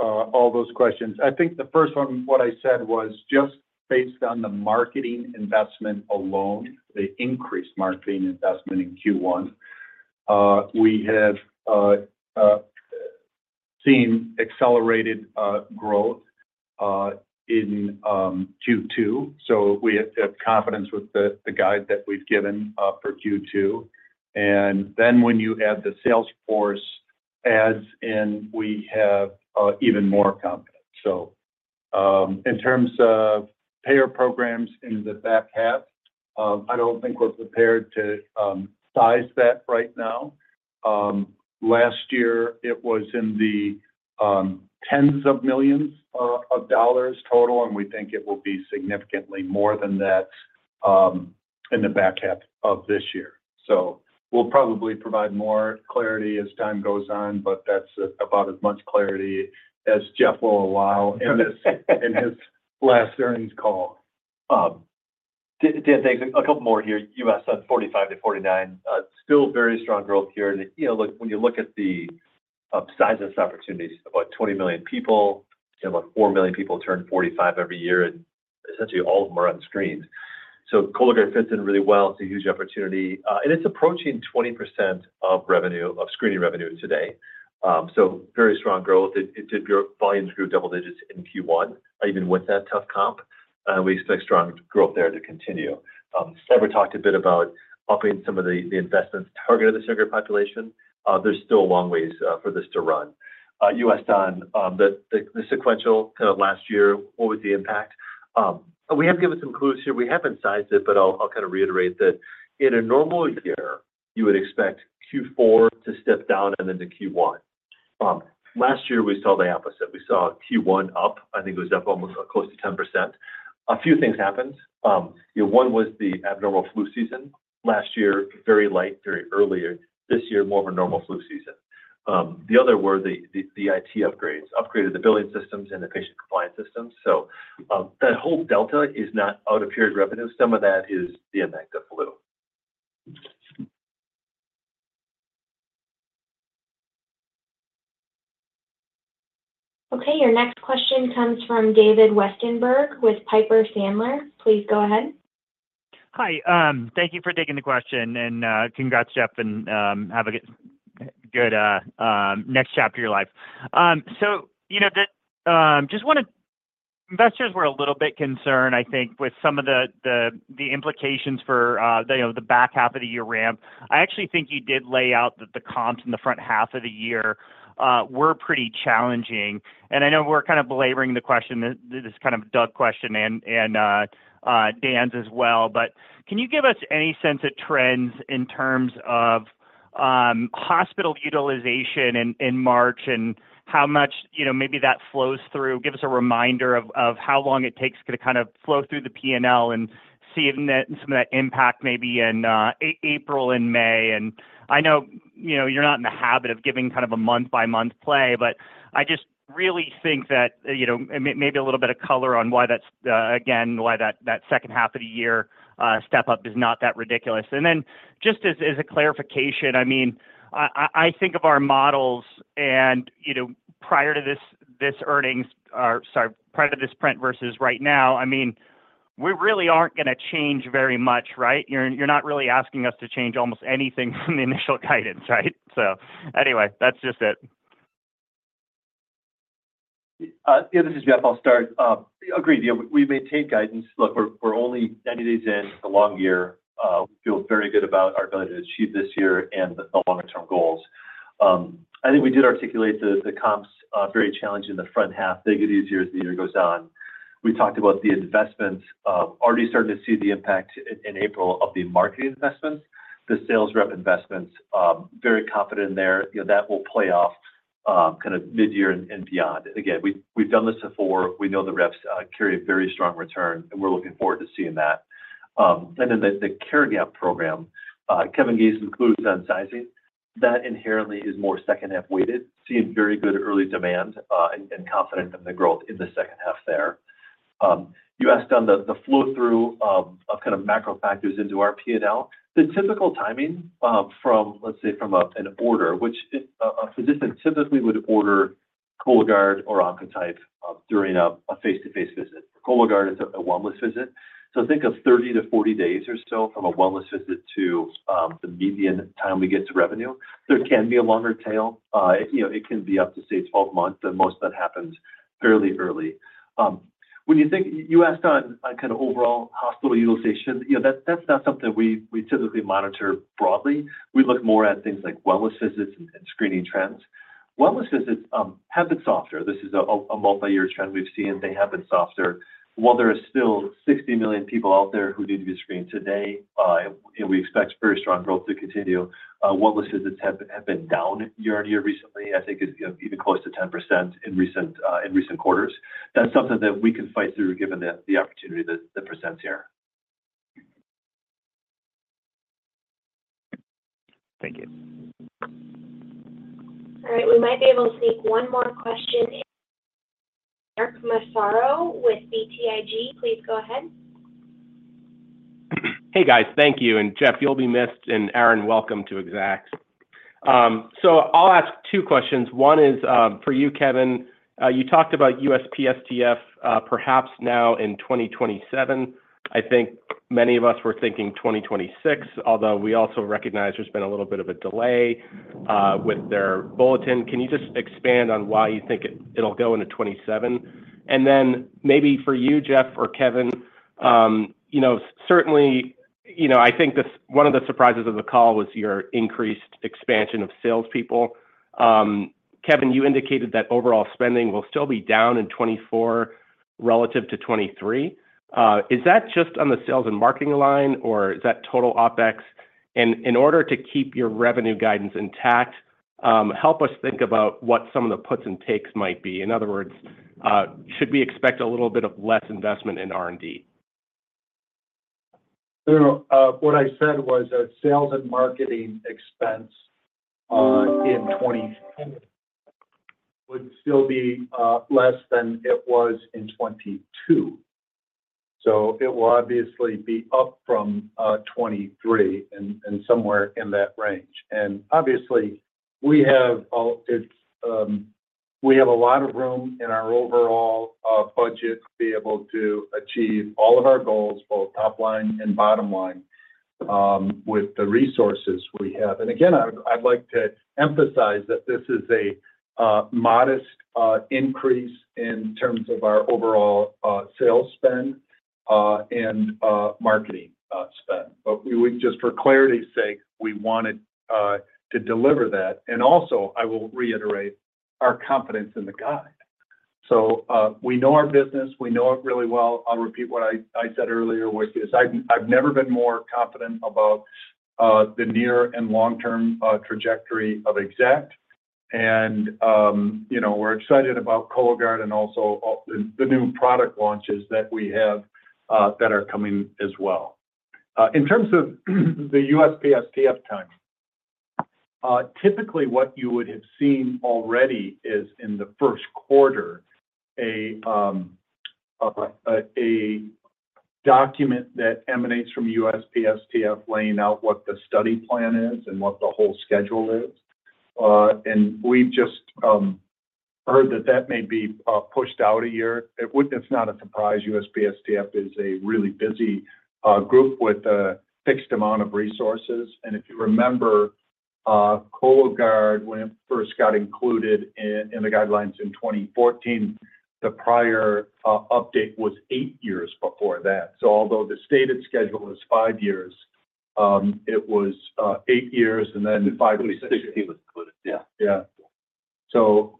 all those questions. I think the first one, what I said was just based on the marketing investment alone, the increased marketing investment in Q1. We have seen accelerated growth in Q2. So we have confidence with the guide that we've given for Q2. And then when you add the sales force adds in, we have even more confidence. So, in terms of payer programs in the back half, I don't think we're prepared to size that right now. Last year it was in the $ tens of millions total, and we think it will be significantly more than that in the back half of this year. So we'll probably provide more clarity as time goes on, but that's about as much clarity as Jeff will allow in his last earnings call. Dan, thanks. A couple more here. U.S. 45-49. Still very strong growth here. You know, look, when you look at the size of this opportunity, about 20 million people and about 4 million people turn 45 every year, and essentially all of them are on screens. So Cologuard fits in really well. It's a huge opportunity, and it's approaching 20% of revenue of screening revenue today. So very strong growth. Volumes grew double digits in Q1, even with that tough comp, we expect strong growth there to continue. Trevor talked a bit about upping some of the investments targeted at the younger population. There's still a long ways for this to run. U.S., Dan, the sequential kind of last year, what was the impact? We have given some clues here. We haven't sized it, but I'll kind of reiterate that in a normal year, you would expect Q4 to step down and then to Q1. Last year, we saw the opposite. We saw Q1 up. I think it was up almost close to 10%. A few things happened. You know, one was the abnormal flu season. Last year, very light, very earlier. This year, more of a normal flu season. The other were the IT upgrades. Upgraded the billing systems and the patient compliance systems. So, that whole delta is not out of period revenue. Some of that is the effect of flu. Okay, your next question comes from David Westenberg with Piper Sandler. Please go ahead. Hi, thank you for taking the question, and, congrats, Jeff, and, have a good, good, next chapter of your life. So you know, just wanted, investors were a little bit concerned, I think, with some of the implications for, you know, the back half of the year ramp. I actually think you did lay out that the comps in the front half of the year were pretty challenging. And I know we're kind of belaboring the question, this is kind of a Doug question and, Dan's as well. But can you give us any sense of trends in terms of hospital utilization in March, and how much, you know, maybe that flows through? Give us a reminder of how long it takes to kind of flow through the P&L and seeing that some of that impact maybe in April and May. And I know, you know, you're not in the habit of giving kind of a month-by-month play, but I just really think that, you know, maybe a little bit of color on why that's, again, why that second half of the year step up is not that ridiculous. And then, just as a clarification, I mean, I think of our models, and, you know, prior to this print versus right now, I mean, we really aren't gonna change very much, right? You're not really asking us to change almost anything from the initial guidance, right? So anyway, that's just it. Yeah, this is Jeff. I'll start. Agreed. You know, we maintain guidance. Look, we're only 90 days in, it's a long year. We feel very good about our ability to achieve this year and the longer term goals. I think we did articulate the comps are very challenging in the front half. They get easier as the year goes on. We talked about the investments. Already starting to see the impact in April of the marketing investments. The sales rep investments, very confident there. You know, that will pay off kind of midyear and beyond. Again, we've done this before. We know the reps carry a very strong return, and we're looking forward to seeing that. And then the care gap program, Kevin Conroy included on sizing, that inherently is more second half weighted, seeing very good early demand, and confident in the growth in the second half there. You asked on the flow through of kind of macro factors into our P&L. The typical timing from, let's say, from an order, which a physician typically would order Cologuard or Oncotype during a face-to-face visit. Cologuard is a wellness visit. So think of 30-40 days or so from a wellness visit to the median time we get to revenue. There can be a longer tail. You know, it can be up to, say, 12 months, but most of that happens fairly early. When you think you asked on kind of overall hospital utilization. You know, that's not something we typically monitor broadly. We look more at things like wellness visits and screening trends. Wellness visits have been softer. This is a multi-year trend we've seen. They have been softer. While there are still 60 million people out there who need to be screened today, and we expect very strong growth to continue, wellness visits have been down year-over-year recently. I think it's, you know, even close to 10% in recent quarters. That's something that we can fight through, given the opportunity that presents here. Thank you. All right, we might be able to take one more question. Mark Massaro with BTIG, please go ahead. Hey, guys. Thank you, and, Jeff, you'll be missed, and, Aaron, welcome to Exact. So I'll ask two questions. One is, for you, Kevin. You talked about USPSTF, perhaps now in 2027. I think many of us were thinking 2026, although we also recognize there's been a little bit of a delay, with their bulletin. Can you just expand on why you think it'll go into 2027? And then maybe for you, Jeff or Kevin, you know, certainly, you know, I think this one of the surprises of the call was your increased expansion of salespeople. Kevin, you indicated that overall spending will still be down in 2024 relative to 2023. Is that just on the sales and marketing line, or is that total OpEx? In order to keep your revenue guidance intact, help us think about what some of the puts and takes might be. In other words, should we expect a little bit of less investment in R&D? So, what I said was that sales and marketing expense in 2024 would still be less than it was in 2022. So it will obviously be up from 2023 and somewhere in that range. And obviously, we have a lot of room in our overall budget to be able to achieve all of our goals, both top line and bottom line, with the resources we have. And again, I'd like to emphasize that this is a modest increase in terms of our overall sales spend and marketing spend. But we would just for clarity's sake, we wanted to deliver that. And also, I will reiterate our confidence in the guide. So, we know our business. We know it really well. I'll repeat what I said earlier, which is I've never been more confident about the near and long-term trajectory of Exact. And you know, we're excited about Cologuard and also all the new product launches that we have that are coming as well.... In terms of the USPSTF time, typically, what you would have seen already is in the first quarter, a document that emanates from USPSTF, laying out what the study plan is and what the whole schedule is. And we've just heard that that may be pushed out a year. It would—It's not a surprise. USPSTF is a really busy group with a fixed amount of resources. And if you remember, Cologuard, when it first got included in the guidelines in 2014, the prior update was eight years before that. So although the stated schedule is five years, it was eight years and then five years. 16 was included. Yeah. Yeah. So,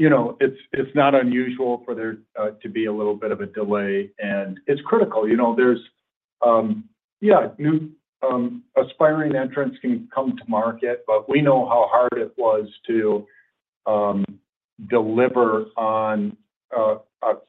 you know, it's, it's not unusual for there to be a little bit of a delay, and it's critical, you know. There's, yeah, new aspiring entrants can come to market, but we know how hard it was to deliver on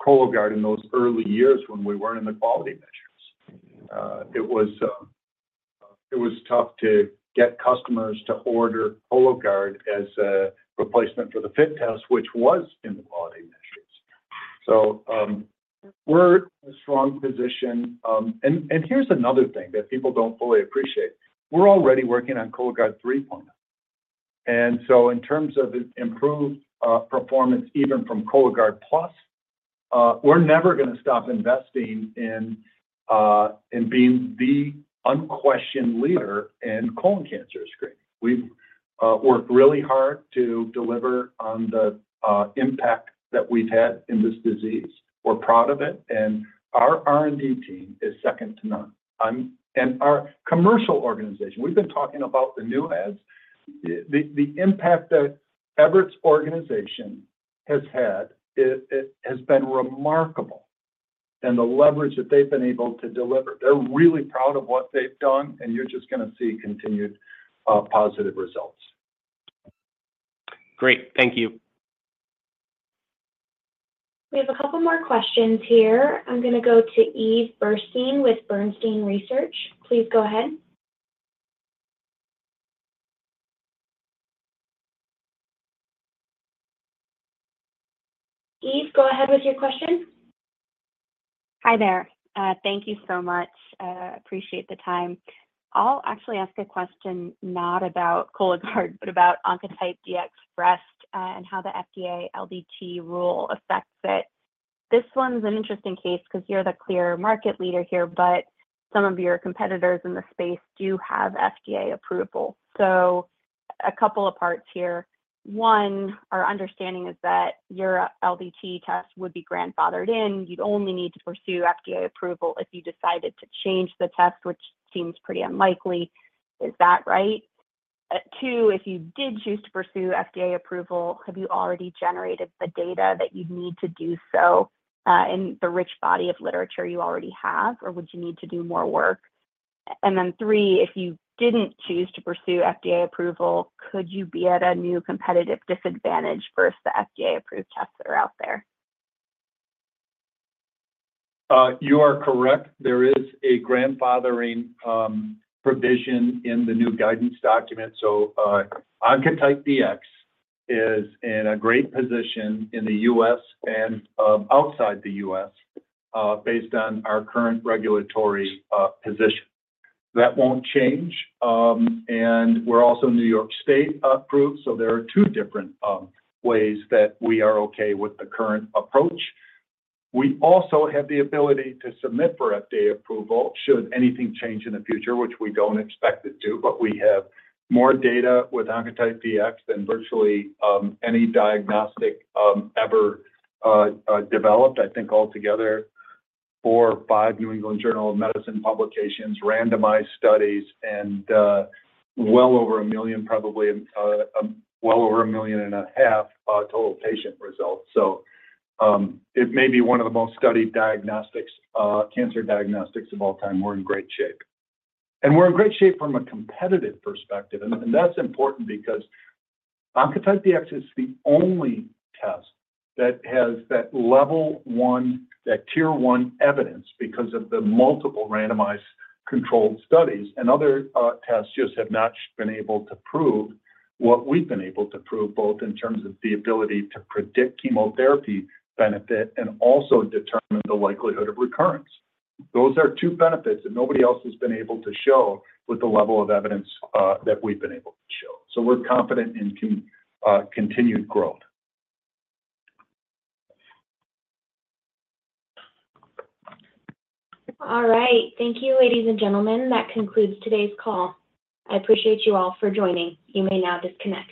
Cologuard in those early years when we weren't in the quality measures. Mm-hmm. It was tough to get customers to order Cologuard as a replacement for the FIT test, which was in the quality measures. So, we're in a strong position. Here's another thing that people don't fully appreciate. We're already working on Cologuard 3.0. And so in terms of improved performance, even from Cologuard Plus, we're never gonna stop investing in being the unquestioned leader in colon cancer screening. We've worked really hard to deliver on the impact that we've had in this disease. We're proud of it, and our R&D team is second to none. Our commercial organization, we've been talking about the new ads. The impact that Everett's organization has had has been remarkable, and the leverage that they've been able to deliver. They're really proud of what they've done, and you're just gonna see continued, positive results. Great. Thank you. We have a couple more questions here. I'm gonna go to Eve Burstein with Bernstein Research. Please go ahead. Eve, go ahead with your question. Hi there. Thank you so much. Appreciate the time. I'll actually ask a question, not about Cologuard, but about Oncotype DX Breast, and how the FDA LDT rule affects it. This one's an interesting case because you're the clear market leader here, but some of your competitors in the space do have FDA approval. So a couple of parts here. One, our understanding is that your LDT test would be grandfathered in. You'd only need to pursue FDA approval if you decided to change the test, which seems pretty unlikely. Is that right? Two, if you did choose to pursue FDA approval, have you already generated the data that you'd need to do so, in the rich body of literature you already have, or would you need to do more work? Three, if you didn't choose to pursue FDA approval, could you be at a new competitive disadvantage versus the FDA-approved tests that are out there? You are correct. There is a grandfathering provision in the new guidance document, so Oncotype DX is in a great position in the U.S. and outside the U.S. based on our current regulatory position. That won't change. And we're also New York State approved, so there are two different ways that we are okay with the current approach. We also have the ability to submit for FDA approval should anything change in the future, which we don't expect it to, but we have more data with Oncotype DX than virtually any diagnostic ever developed. I think altogether, four or five New England Journal of Medicine publications, randomized studies, and well over 1 million, probably, well over 1.5 million total patient results. It may be one of the most studied diagnostics, cancer diagnostics of all time. We're in great shape. And we're in great shape from a competitive perspective, and that's important because Oncotype DX is the only test that has that level one, that Tier one evidence because of the multiple randomized controlled studies. And other tests just have not been able to prove what we've been able to prove, both in terms of the ability to predict chemotherapy benefit and also determine the likelihood of recurrence. Those are two benefits that nobody else has been able to show with the level of evidence that we've been able to show. So we're confident in continued growth. All right. Thank you, ladies and gentlemen. That concludes today's call. I appreciate you all for joining. You may now disconnect.